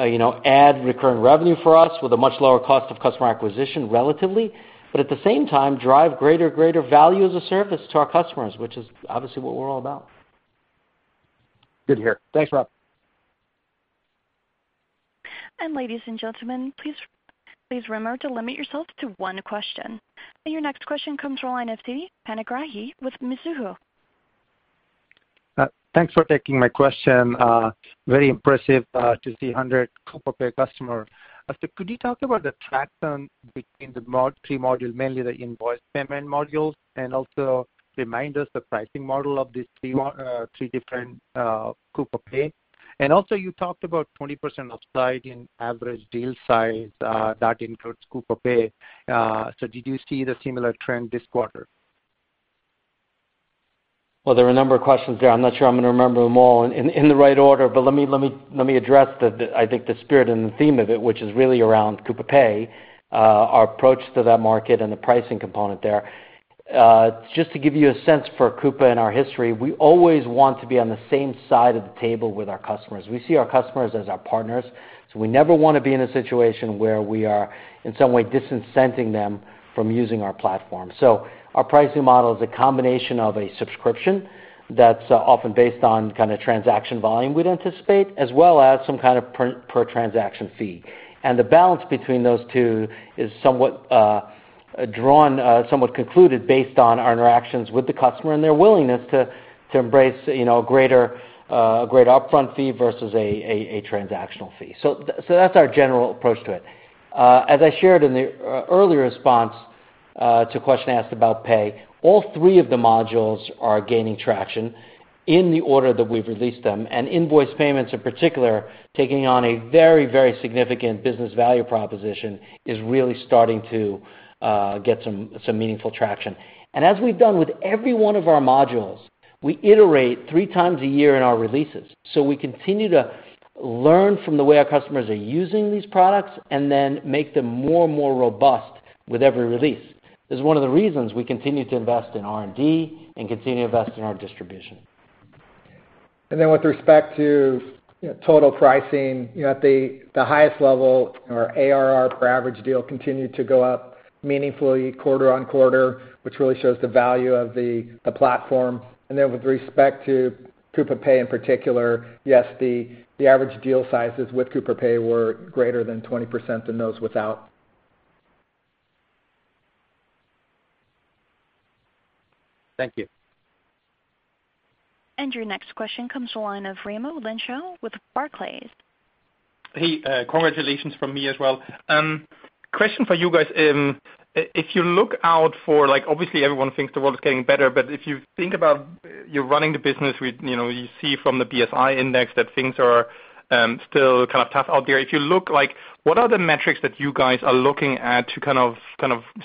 add recurring revenue for us with a much lower cost of customer acquisition, relatively. At the same time, drive greater value as a service to our customers, which is obviously what we're all about. Good to hear. Thanks, Rob. Ladies and gentlemen, please remember to limit yourself to one question. Your next question comes from the line of Siti Panigrahi with Mizuho. Thanks for taking my question. Very impressive to see 100 Coupa Pay customer. Could you talk about the traction between the three module, mainly the invoice payment modules, and also remind us the pricing model of these three different Coupa Pay. Also you talked about 20% upside in average deal size, that includes Coupa Pay. Did you see the similar trend this quarter? Well, there are a number of questions there. I'm not sure I'm going to remember them all in the right order. Let me address the, I think, the spirit and the theme of it, which is really around Coupa Pay, our approach to that market and the pricing component there. Just to give you a sense for Coupa and our history, we always want to be on the same side of the table with our customers. We see our customers as our partners, we never want to be in a situation where we are in some way disincenting them from using our platform. Our pricing model is a combination of a subscription that's often based on kind of transaction volume we'd anticipate, as well as some kind of per-transaction fee. The balance between those two is somewhat concluded based on our interactions with the customer and their willingness to embrace a great upfront fee versus a transactional fee. That's our general approach to it. As I shared in the earlier response to a question asked about Pay, all three of the modules are gaining traction in the order that we've released them, and invoice payments in particular, taking on a very significant business value proposition, is really starting to get some meaningful traction. As we've done with every one of our modules, we iterate 3x a year in our releases. We continue to learn from the way our customers are using these products and then make them more and more robust with every release. This is one of the reasons we continue to invest in R&D and continue to invest in our distribution. With respect to total pricing, at the highest level, our ARR for average deal continued to go up meaningfully quarter-on-quarter, which really shows the value of the platform. With respect to Coupa Pay in particular, yes, the average deal sizes with Coupa Pay were greater than 20% than those without. Thank you. Your next question comes the line of Raimo Lenschow with Barclays. Hey, congratulations from me as well. Question for you guys. If you look out for, obviously everyone thinks the world's getting better, but if you think about you running the business, you see from the BSI index that things are still kind of tough out there. If you look, what are the metrics that you guys are looking at to kind of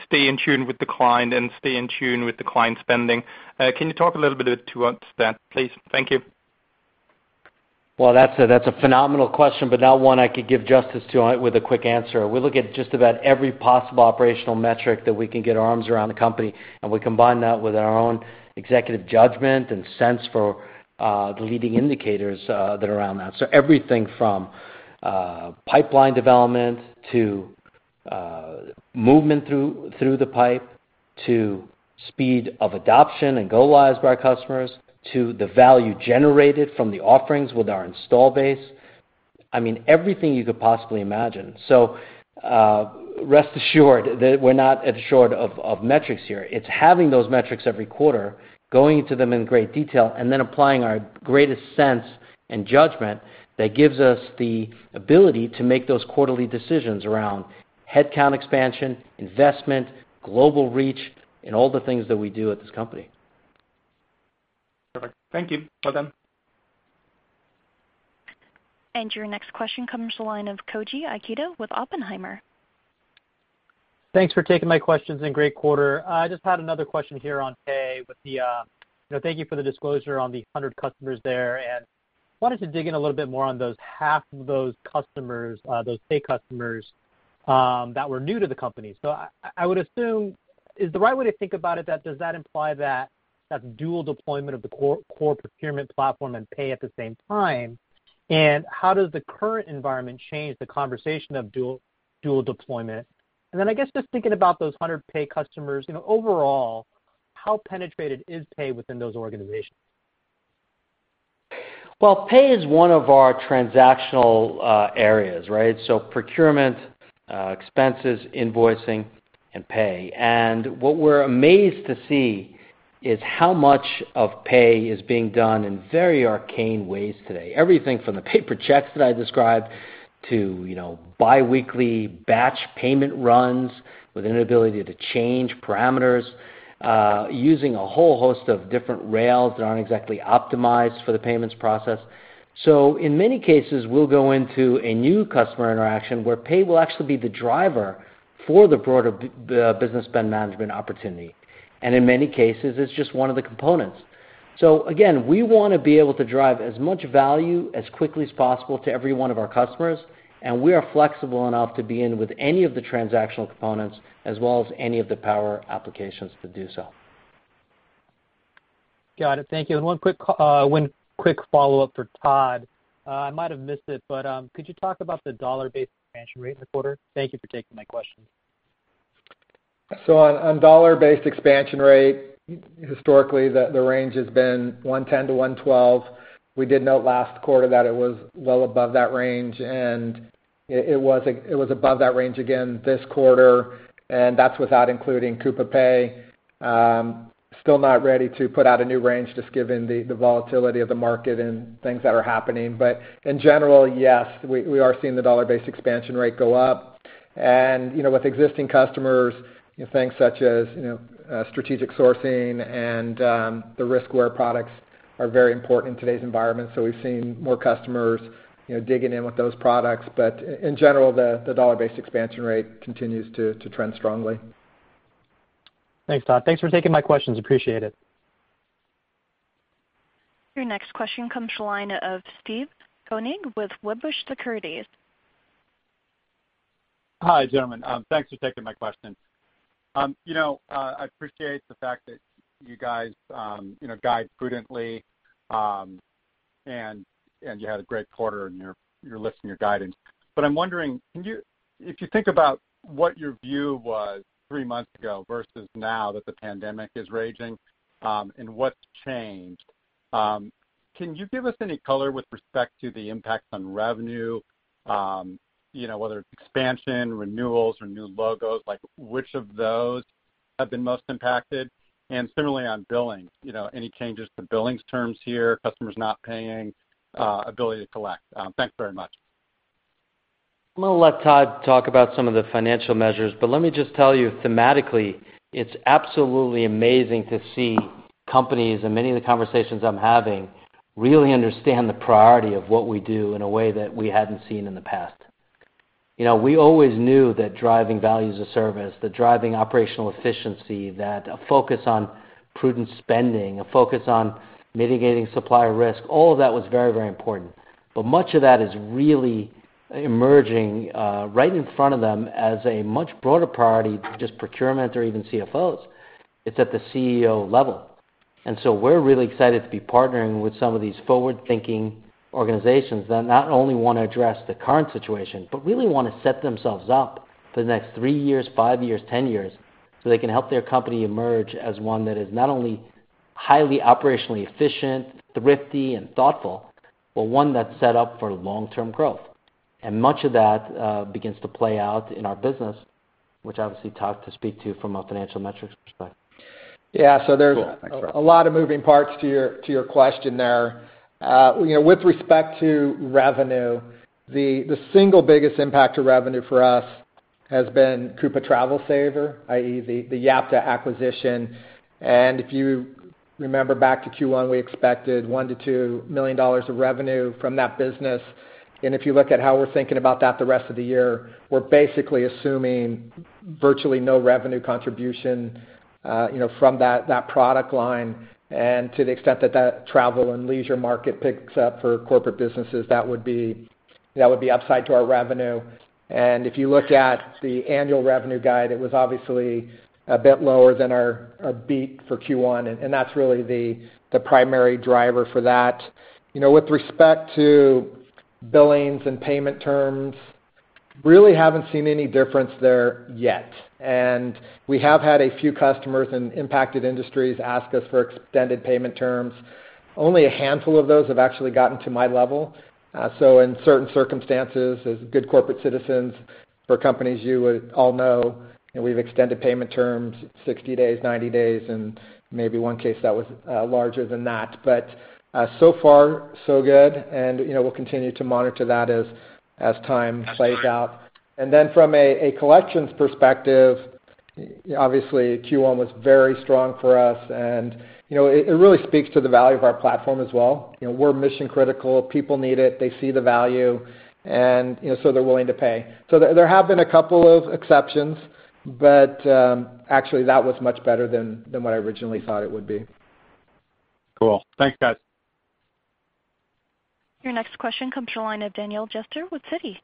stay in tune with the client and stay in tune with the client spending? Can you talk a little bit towards that, please? Thank you. That's a phenomenal question, but not one I could give justice to with a quick answer. We look at just about every possible operational metric that we can get our arms around the company, and we combine that with our own executive judgment and sense for the leading indicators that are around that. Everything from pipeline development, to movement through the pipe, to speed of adoption and go lives by our customers, to the value generated from the offerings with our install base. I mean, everything you could possibly imagine. Rest assured that we're not at short of metrics here. It's having those metrics every quarter, going into them in great detail, and then applying our greatest sense and judgment that gives us the ability to make those quarterly decisions around headcount expansion, investment, global reach, and all the things that we do at this company. Perfect. Thank you. Well done. Your next question comes the line of Koji Ikeda with Oppenheimer. Thanks for taking my questions and great quarter. I just had another question here on Pay. Thank you for the disclosure on the 100 customers there. Wanted to dig in a little bit more on those half of those Pay customers that were new to the company. I would assume, is the right way to think about it that, does that imply that dual deployment of the core procurement platform and Pay at the same time? How does the current environment change the conversation of dual deployment? I guess, just thinking about those 100 Pay customers, overall, how penetrated is Pay within those organizations? Well, Pay is one of our transactional areas, right? Procurement, expenses, invoicing, and Pay. What we're amazed to see is how much of Pay is being done in very arcane ways today. Everything from the paper checks that I described to bi-weekly batch payment runs with an inability to change parameters, using a whole host of different rails that aren't exactly optimized for the payments process. In many cases, we'll go into a new customer interaction where Pay will actually be the driver for the broader Business Spend Management opportunity. In many cases, it's just one of the components. Again, we want to be able to drive as much value as quickly as possible to every one of our customers, and we are flexible enough to be in with any of the transactional components, as well as any of the power applications to do so. Got it. Thank you. One quick follow-up for Todd. I might have missed it, but could you talk about the dollar-based expansion rate in the quarter? Thank you for taking my questions. On dollar-based expansion rate, historically, the range has been 110-112. We did note last quarter that it was well above that range, and it was above that range again this quarter, and that's without including Coupa Pay. Still not ready to put out a new range, just given the volatility of the market and things that are happening. In general, yes, we are seeing the dollar-based expansion rate go up. With existing customers, things such as Strategic Sourcing and the riskware products are very important in today's environment, so we've seen more customers digging in with those products. In general, the dollar-based expansion rate continues to trend strongly. Thanks, Todd. Thanks for taking my questions. Appreciate it. Your next question comes to the line of Steve Koenig with Wedbush Securities. Hi, gentlemen. Thanks for taking my questions. I appreciate the fact that you guys guide prudently, and you had a great quarter, and you're lifting your guidance. I'm wondering, if you think about what your view was three months ago versus now that the pandemic is raging, and what's changed, can you give us any color with respect to the impacts on revenue? Whether it's expansion, renewals, or new logos, which of those have been most impacted? Similarly on billing, any changes to billings terms here, customers not paying, ability to collect? Thanks very much. I'm going to let Todd talk about some of the financial measures, but let me just tell you thematically, it's absolutely amazing to see companies in many of the conversations I'm having really understand the priority of what we do in a way that we hadn't seen in the past. We always knew that driving value as a service, that driving operational efficiency, that a focus on prudent spending, a focus on mitigating supplier risk, all of that was very important. Much of that is really emerging right in front of them as a much broader priority than just procurement or even CFOs. It's at the CEO level. We're really excited to be partnering with some of these forward-thinking organizations that not only want to address the current situation, but really want to set themselves up for the next three years, five years, 10 years, so they can help their company emerge as one that is not only highly operationally efficient, thrifty, and thoughtful, but one that's set up for long-term growth. Much of that begins to play out in our business, which obviously Todd can speak to from a financial metrics perspective. Yeah. Cool. Thanks, Rob. There's a lot of moving parts to your question there. With respect to revenue, the single biggest impact to revenue for us has been Coupa Travel Saver, i.e., the Yapta acquisition. If you remember back to Q1, we expected $1 million-$2 million of revenue from that business. If you look at how we're thinking about that the rest of the year, we're basically assuming virtually no revenue contribution from that product line. To the extent that travel and leisure market picks up for corporate businesses, that would be upside to our revenue. If you looked at the annual revenue guide, it was obviously a bit lower than our beat for Q1, and that's really the primary driver for that. With respect to billings and payment terms, really haven't seen any difference there yet. We have had a few customers in impacted industries ask us for extended payment terms. Only a handful of those have actually gotten to my level. In certain circumstances, as good corporate citizens for companies you would all know, we've extended payment terms 60 days, 90 days, and maybe one case that was larger than that. So far, so good, and we'll continue to monitor that as time plays out. From a collections perspective, obviously Q1 was very strong for us, and it really speaks to the value of our platform as well. We're mission-critical. People need it. They see the value, and so they're willing to Pay. There have been a couple of exceptions, but actually that was much better than what I originally thought it would be. Cool. Thanks, guys. Your next question comes to the line of Daniel Jester with Citi.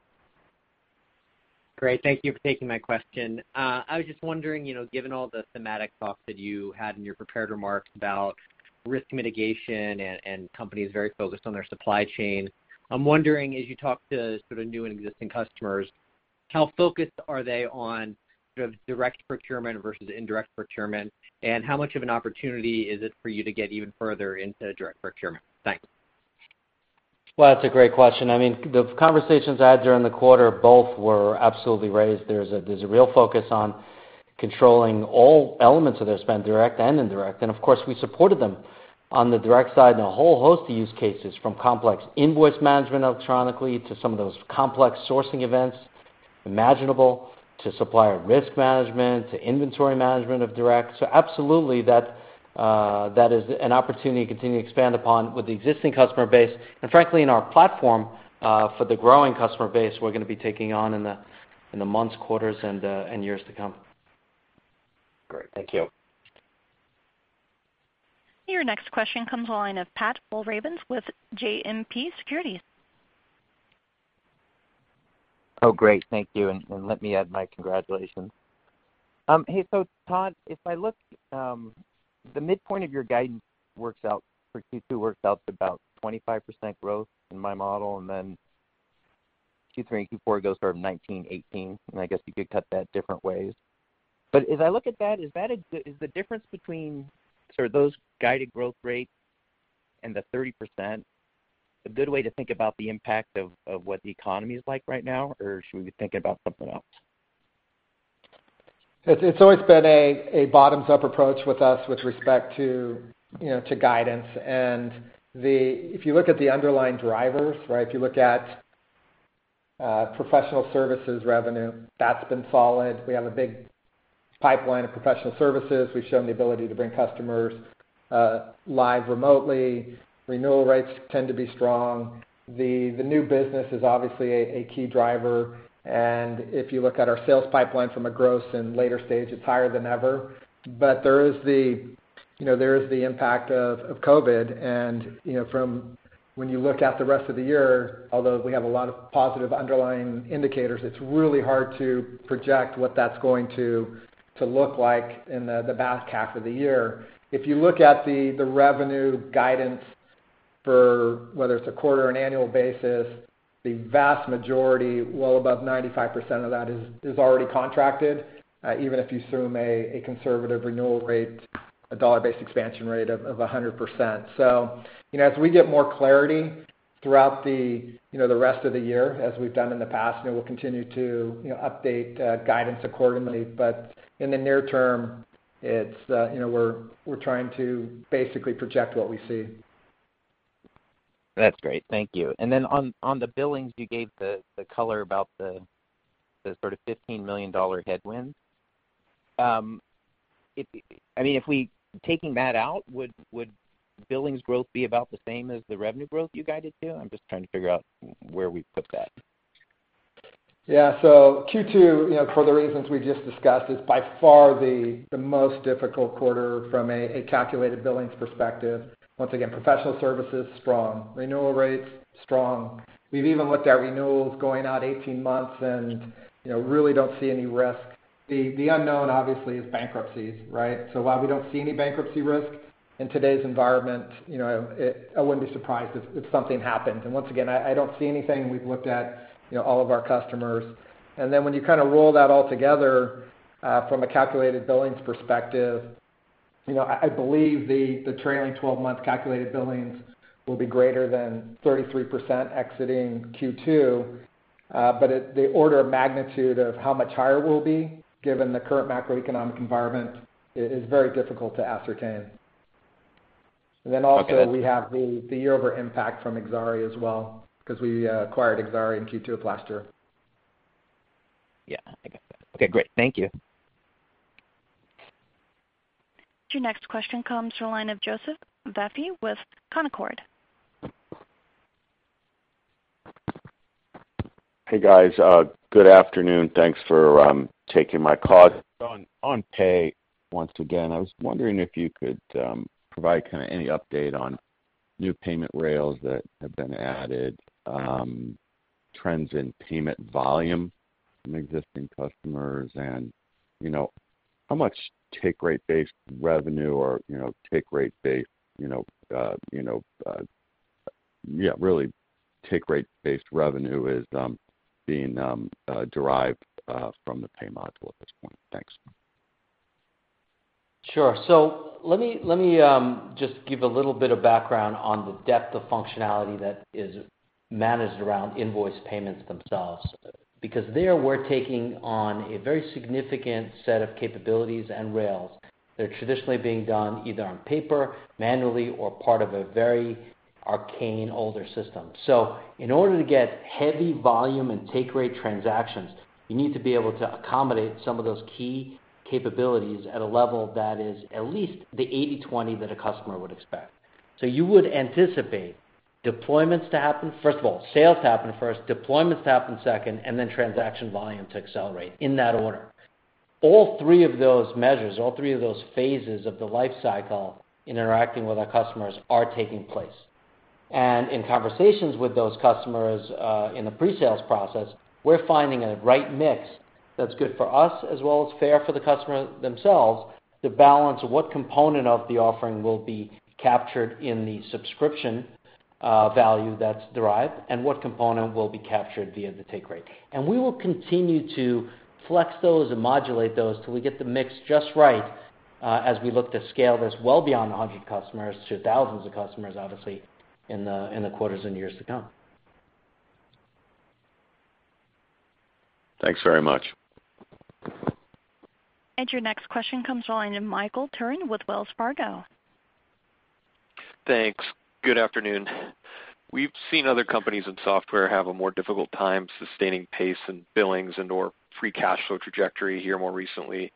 Great. Thank you for taking my question. I was just wondering, given all the thematic thoughts that you had in your prepared remarks about risk mitigation and companies very focused on their supply chain, I'm wondering, as you talk to sort of new and existing customers, how focused are they on sort of direct procurement versus indirect procurement, and how much of an opportunity is it for you to get even further into direct procurement? Thanks. Well, that's a great question. I mean, the conversations I had during the quarter, both were absolutely raised. There's a real focus on controlling all elements of their spend, direct and indirect. Of course, we supported them on the direct side in a whole host of use cases, from complex invoice management electronically, to some of those complex sourcing events imaginable, to supplier risk management, to inventory management of direct. Absolutely, that is an opportunity to continue to expand upon with the existing customer base, and frankly, in our platform, for the growing customer base we're going to be taking on in the months, quarters, and years to come. Great. Thank you. Your next question comes to the line of Pat Walravens with JMP Securities. Great, thank you. Let me add my congratulations. Todd, if I look, the midpoint of your guidance works out for Q2, works out to about 25% growth in my model. Q3 and Q4 goes sort of 19%, 18%. I guess we could cut that different ways. As I look at that, is the difference between sort of those guided growth rates and the 30% a good way to think about the impact of what the economy is like right now, or should we be thinking about something else? It's always been a bottoms-up approach with us with respect to guidance. If you look at the underlying drivers, if you look at professional services revenue, that's been solid. We have a big pipeline of professional services. We've shown the ability to bring customers live remotely. Renewal rates tend to be strong. The new business is obviously a key driver, and if you look at our sales pipeline from a gross and later stage, it's higher than ever. There is the impact of COVID, and from when you look at the rest of the year, although we have a lot of positive underlying indicators, it's really hard to project what that's going to look like in the back half of the year. If you look at the revenue guidance for whether it's a quarter or an annual basis, the vast majority, well above 95% of that is already contracted, even if you assume a conservative renewal rate, a dollar-based expansion rate of 100%. As we get more clarity throughout the rest of the year, as we've done in the past, we'll continue to update guidance accordingly. In the near-term, we're trying to basically project what we see. That's great. Thank you. On the billings, you gave the color about the sort of $15 million headwind. Taking that out, would billings growth be about the same as the revenue growth you guided to? I'm just trying to figure out where we put that. Q2, for the reasons we just discussed, is by far the most difficult quarter from a calculated billings perspective. Once again, professional services, strong. Renewal rates, strong. We've even looked at renewals going out 18 months and really don't see any risk. The unknown, obviously, is bankruptcies, right? While we don't see any bankruptcy risk in today's environment, I wouldn't be surprised if something happened. Once again, I don't see anything, we've looked at all of our customers. When you roll that all together from a calculated billings perspective, I believe the trailing 12-month calculated billings will be greater than 33% exiting Q2. The order of magnitude of how much higher it will be, given the current macroeconomic environment, is very difficult to ascertain. Okay. Also, we have the year-over impact from Exari as well, because we acquired Exari in Q2 of last year. Yeah, I got that. Okay, great. Thank you. Your next question comes to the line of Joseph Vafi with Canaccord. Hey, guys. Good afternoon. Thanks for taking my call. On Pay, once again, I was wondering if you could provide any update on new payment rails that have been added, trends in payment volume from existing customers, and how much really take rate based revenue is being derived from the Pay module at this point? Thanks. Sure. Let me just give a little bit of background on the depth of functionality that is managed around invoice payments themselves, because there, we're taking on a very significant set of capabilities and rails that are traditionally being done either on paper, manually, or part of a very arcane, older system. In order to get heavy volume and take rate transactions, you need to be able to accommodate some of those key capabilities at a level that is at least the 80/20 that a customer would expect. You would anticipate deployments to happen, first of all, sales to happen first, deployments to happen second, and then transaction volume to accelerate, in that order. All three of those measures, all three of those phases of the life cycle interacting with our customers are taking place. In conversations with those customers in the pre-sales process, we're finding a right mix that's good for us as well as fair for the customer themselves to balance what component of the offering will be captured in the subscription value that's derived and what component will be captured via the take rate. We will continue to flex those and modulate those till we get the mix just right, as we look to scale this well beyond 100 customers to thousands of customers, obviously, in the quarters and years to come. Thanks very much. Your next question comes from the line of Michael Turrin with Wells Fargo. Thanks. Good afternoon. We've seen other companies in software have a more difficult time sustaining pace and billings and/or free cash flow trajectory here more recently. Is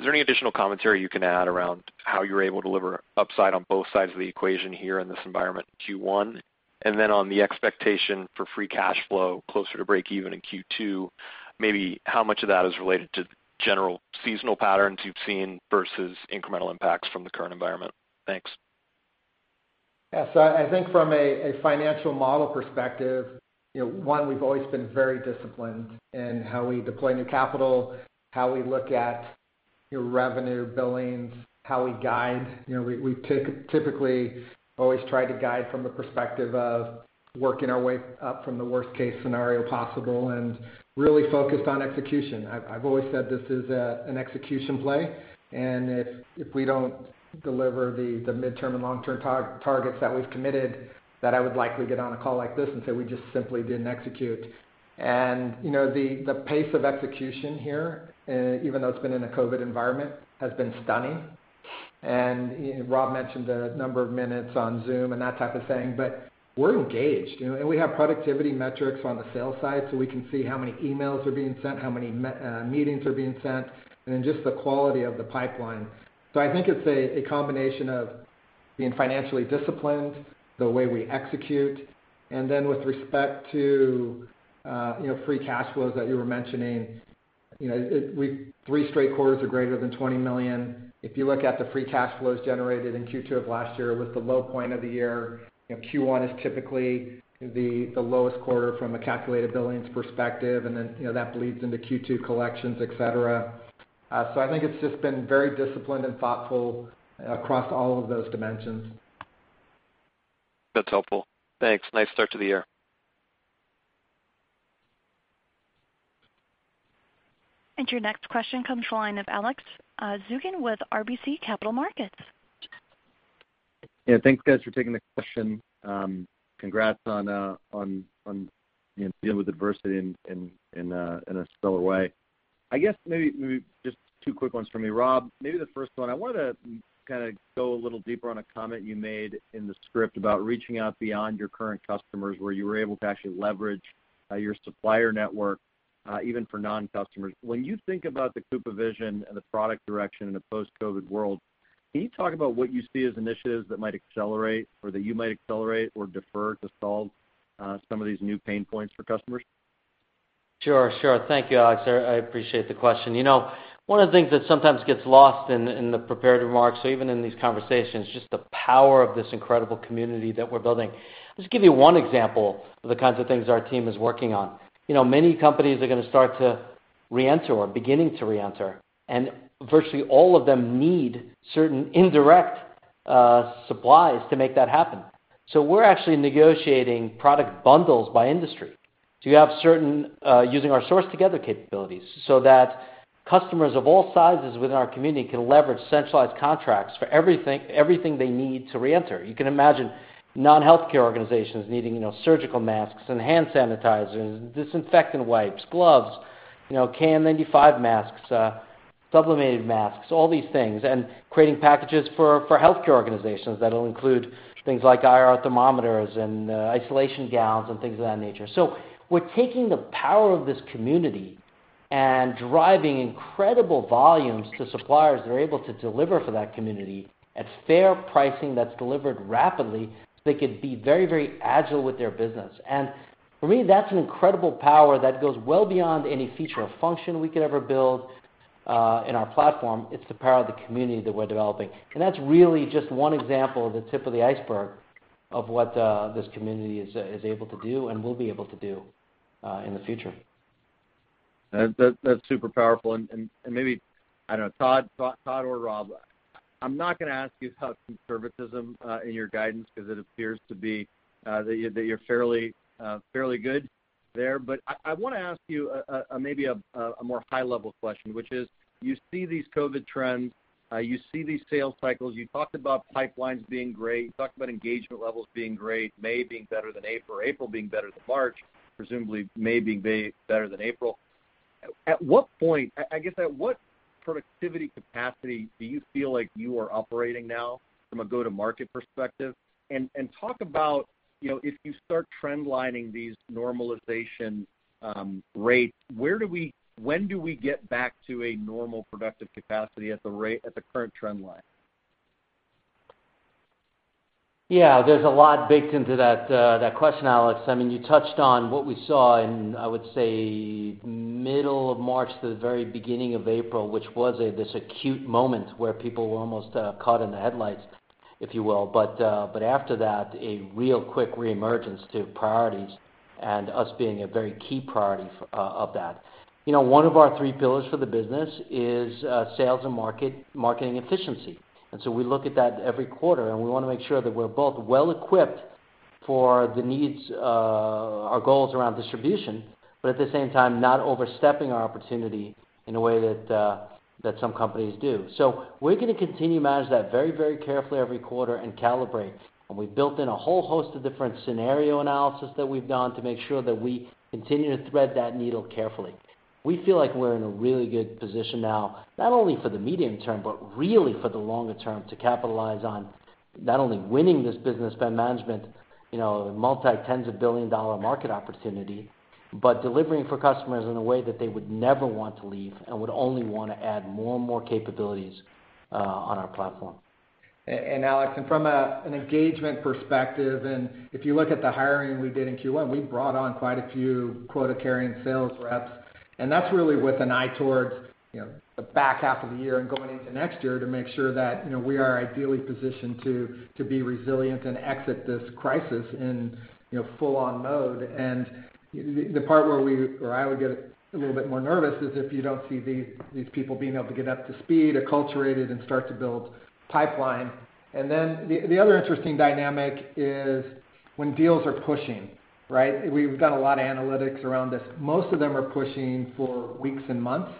there any additional commentary you can add around how you're able to deliver upside on both sides of the equation here in this environment in Q1? On the expectation for free cash flow closer to breakeven in Q2, maybe how much of that is related to general seasonal patterns you've seen versus incremental impacts from the current environment? Thanks. Yeah. I think from a financial model perspective, one, we've always been very disciplined in how we deploy new capital, how we look at your revenue billings, how we guide. We typically always try to guide from the perspective of working our way up from the worst-case scenario possible and really focused on execution. I've always said this is an execution play, and if we don't deliver the midterm and long-term targets that we've committed, that I would likely get on a call like this and say we just simply didn't execute. The pace of execution here, even though it's been in a COVID-19 environment, has been stunning. Rob mentioned a number of minutes on Zoom and that type of thing, but we're engaged. We have productivity metrics on the sales side, so we can see how many emails are being sent, how many meetings are being sent, and then just the quality of the pipeline. I think it's a combination of being financially disciplined, the way we execute, and then with respect to free cash flows that you were mentioning, three straight quarters are greater than $20 million. If you look at the free cash flows generated in Q2 of last year, it was the low point of the year. Q1 is typically the lowest quarter from a calculated billings perspective, and then that bleeds into Q2 collections, etc. I think it's just been very disciplined and thoughtful across all of those dimensions. That's helpful. Thanks. Nice start to the year. Your next question comes from the line of Alex Zukin with RBC Capital Markets. Yeah. Thanks, guys, for taking the question. Congrats on dealing with adversity in a stellar way. I guess maybe just two quick ones from me. Rob, maybe the first one, I wanted to go a little deeper on a comment you made in the script about reaching out beyond your current customers, where you were able to actually leverage your supplier network, even for non-customers. When you think about the Coupa vision and the product direction in a post-COVID world, can you talk about what you see as initiatives that might accelerate or that you might accelerate or defer to solve some of these new pain points for customers? Sure. Thank you, Alex. I appreciate the question. One of the things that sometimes gets lost in the prepared remarks or even in these conversations, just the power of this incredible community that we're building. I'll just give you one example of the kinds of things our team is working on. Many companies are going to start to re-enter or are beginning to re-enter, and virtually all of them need certain indirect supplies to make that happen. We're actually negotiating product bundles by industry. You have Using our Source Together capabilities so that customers of all sizes within our community can leverage centralized contracts for everything they need to re-enter. You can imagine non-healthcare organizations needing surgical masks and hand sanitizers, disinfectant wipes, gloves, KN95 masks, sublimated masks, all these things, and creating packages for healthcare organizations that'll include things like IR thermometers and isolation gowns and things of that nature. We're taking the power of this community and driving incredible volumes to suppliers that are able to deliver for that community at fair pricing that's delivered rapidly, so they could be very agile with their business. For me, that's an incredible power that goes well beyond any feature or function we could ever build in our platform. It's the power of the community that we're developing. That's really just one example of the tip of the iceberg of what this community is able to do and will be able to do in the future. That's super powerful. Maybe, I don't know, Todd or Rob, I'm not going to ask you about conservatism in your guidance because it appears that you're fairly good there. I want to ask you maybe a more high-level question, which is, you see these COVID trends, you see these sales cycles. You talked about pipelines being great, you talked about engagement levels being great, May being better than April being better than March, presumably May being better than April. At what point, I guess, at what productivity capacity do you feel like you are operating now from a go-to-market perspective? Talk about if you start trend lining these normalization rates, when do we get back to a normal productive capacity at the current trend line? Yeah, there's a lot baked into that question, Alex. You touched on what we saw in, I would say, middle of March to the very beginning of April, which was this acute moment where people were almost caught in the headlights, if you will. After that, a real quick reemergence to priorities and us being a very key priority of that. One of our three pillars for the business is sales and marketing efficiency. We look at that every quarter, and we want to make sure that we're both well-equipped for the needs, our goals around distribution, but at the same time, not overstepping our opportunity in a way that some companies do. We're going to continue to manage that very carefully every quarter and calibrate. We've built in a whole host of different scenario analysis that we've done to make sure that we continue to thread that needle carefully. We feel like we're in a really good position now, not only for the medium-term, but really for the longer-term to capitalize on not only winning this Business Spend Management, multi tens of billion dollar market opportunity, but delivering for customers in a way that they would never want to leave and would only want to add more and more capabilities on our platform. Alex, from an engagement perspective, if you look at the hiring we did in Q1, we brought on quite a few quota-carrying sales reps, that's really with an eye towards the back half of the year and going into next year to make sure that we are ideally positioned to be resilient and exit this crisis in full-on mode. The part where I would get a little bit more nervous is if you don't see these people being able to get up to speed, acculturated, and start to build pipeline. The other interesting dynamic is when deals are pushing, right? We've done a lot of analytics around this. Most of them are pushing for weeks and months,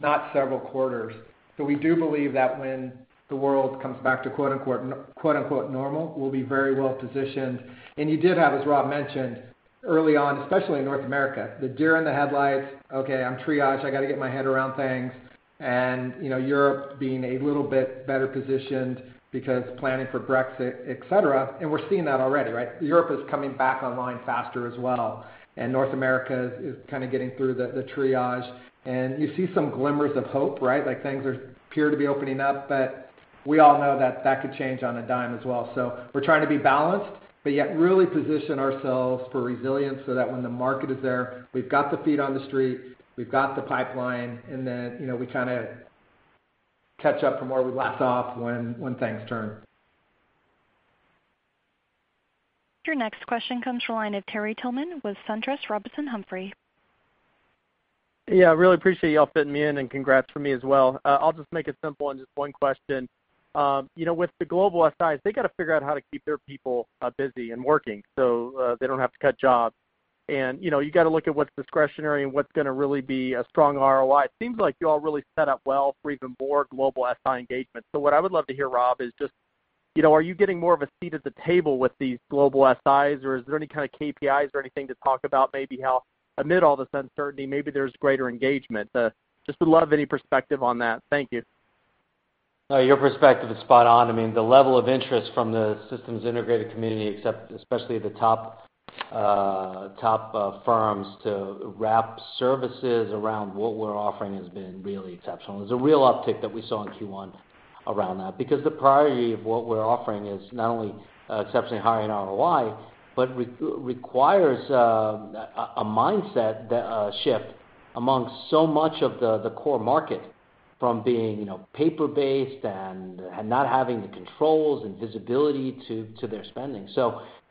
not several quarters. We do believe that when the world comes back to quote, unquote, "normal," we'll be very well positioned. You did have, as Rob mentioned, early on, especially in North America, the deer in the headlights, okay, I'm triaged, I got to get my head around things. Europe being a little bit better positioned because planning for Brexit, etc, and we're seeing that already, right? Europe is coming back online faster as well, and North America is kind of getting through the triage. You see some glimmers of hope, right? Like things appear to be opening up, but we all know that that could change on a dime as well. We're trying to be balanced, but yet really position ourselves for resilience so that when the market is there, we've got the feet on the street, we've got the pipeline, and then we kind of catch up from where we left off when things turn. Your next question comes from the line of Terry Tillman with SunTrust Robinson Humphrey. Yeah, I really appreciate you all fitting me in, and congrats from me as well. I'll just make it simple and just one question. With the global SIs, they got to figure out how to keep their people busy and working so they don't have to cut jobs. You got to look at what's discretionary and what's going to really be a strong ROI. It seems like you all really set up well for even more global SI engagement. What I would love to hear, Rob, is just are you getting more of a seat at the table with these global SIs, or is there any kind of KPIs or anything to talk about maybe how amid all this uncertainty, maybe there's greater engagement? Just would love any perspective on that. Thank you. No, your perspective is spot on. The level of interest from the systems integrated community, especially the top firms to wrap services around what we're offering has been really exceptional. There's a real uptick that we saw in Q1 around that because the priority of what we're offering is not only exceptionally high in ROI, but requires a mindset shift among so much of the core market from being paper-based and not having the controls and visibility to their spending.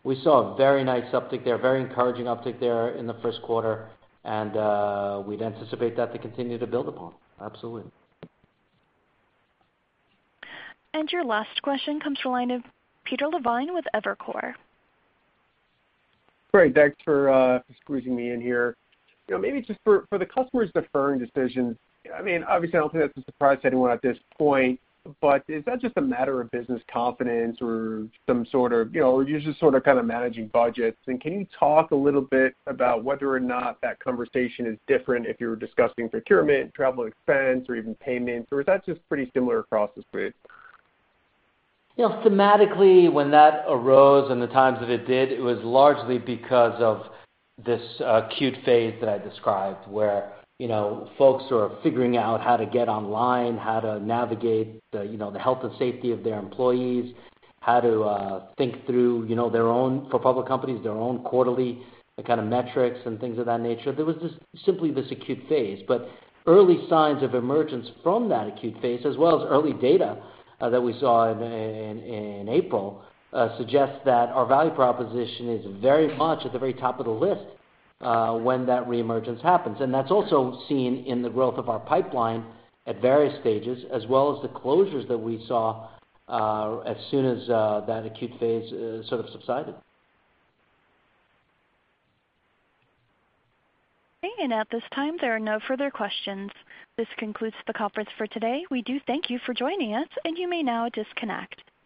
We saw a very nice uptick there, very encouraging uptick there in the first quarter. We'd anticipate that to continue to build upon. Absolutely. Your last question comes from the line of Peter Levine with Evercore. Great. Thanks for squeezing me in here. Maybe just for the customers deferring decisions, I mean obviously I don't think that's a surprise to anyone at this point, but is that just a matter of business confidence or some sort of you're just sort of kind of managing budgets? Can you talk a little bit about whether or not that conversation is different if you're discussing procurement, travel expense, or even payments, or is that just pretty similar across the suite? Thematically, when that arose and the times that it did, it was largely because of this acute phase that I described where folks are figuring out how to get online, how to navigate the health and safety of their employees, how to think through, for public companies, their own quarterly kind of metrics and things of that nature. There was just simply this acute phase, but early signs of emergence from that acute phase, as well as early data that we saw in April, suggests that our value proposition is very much at the very top of the list when that reemergence happens. That's also seen in the growth of our pipeline at various stages, as well as the closures that we saw as soon as that acute phase sort of subsided. Okay. At this time, there are no further questions. This concludes the conference for today. We do thank you for joining us, and you may now disconnect.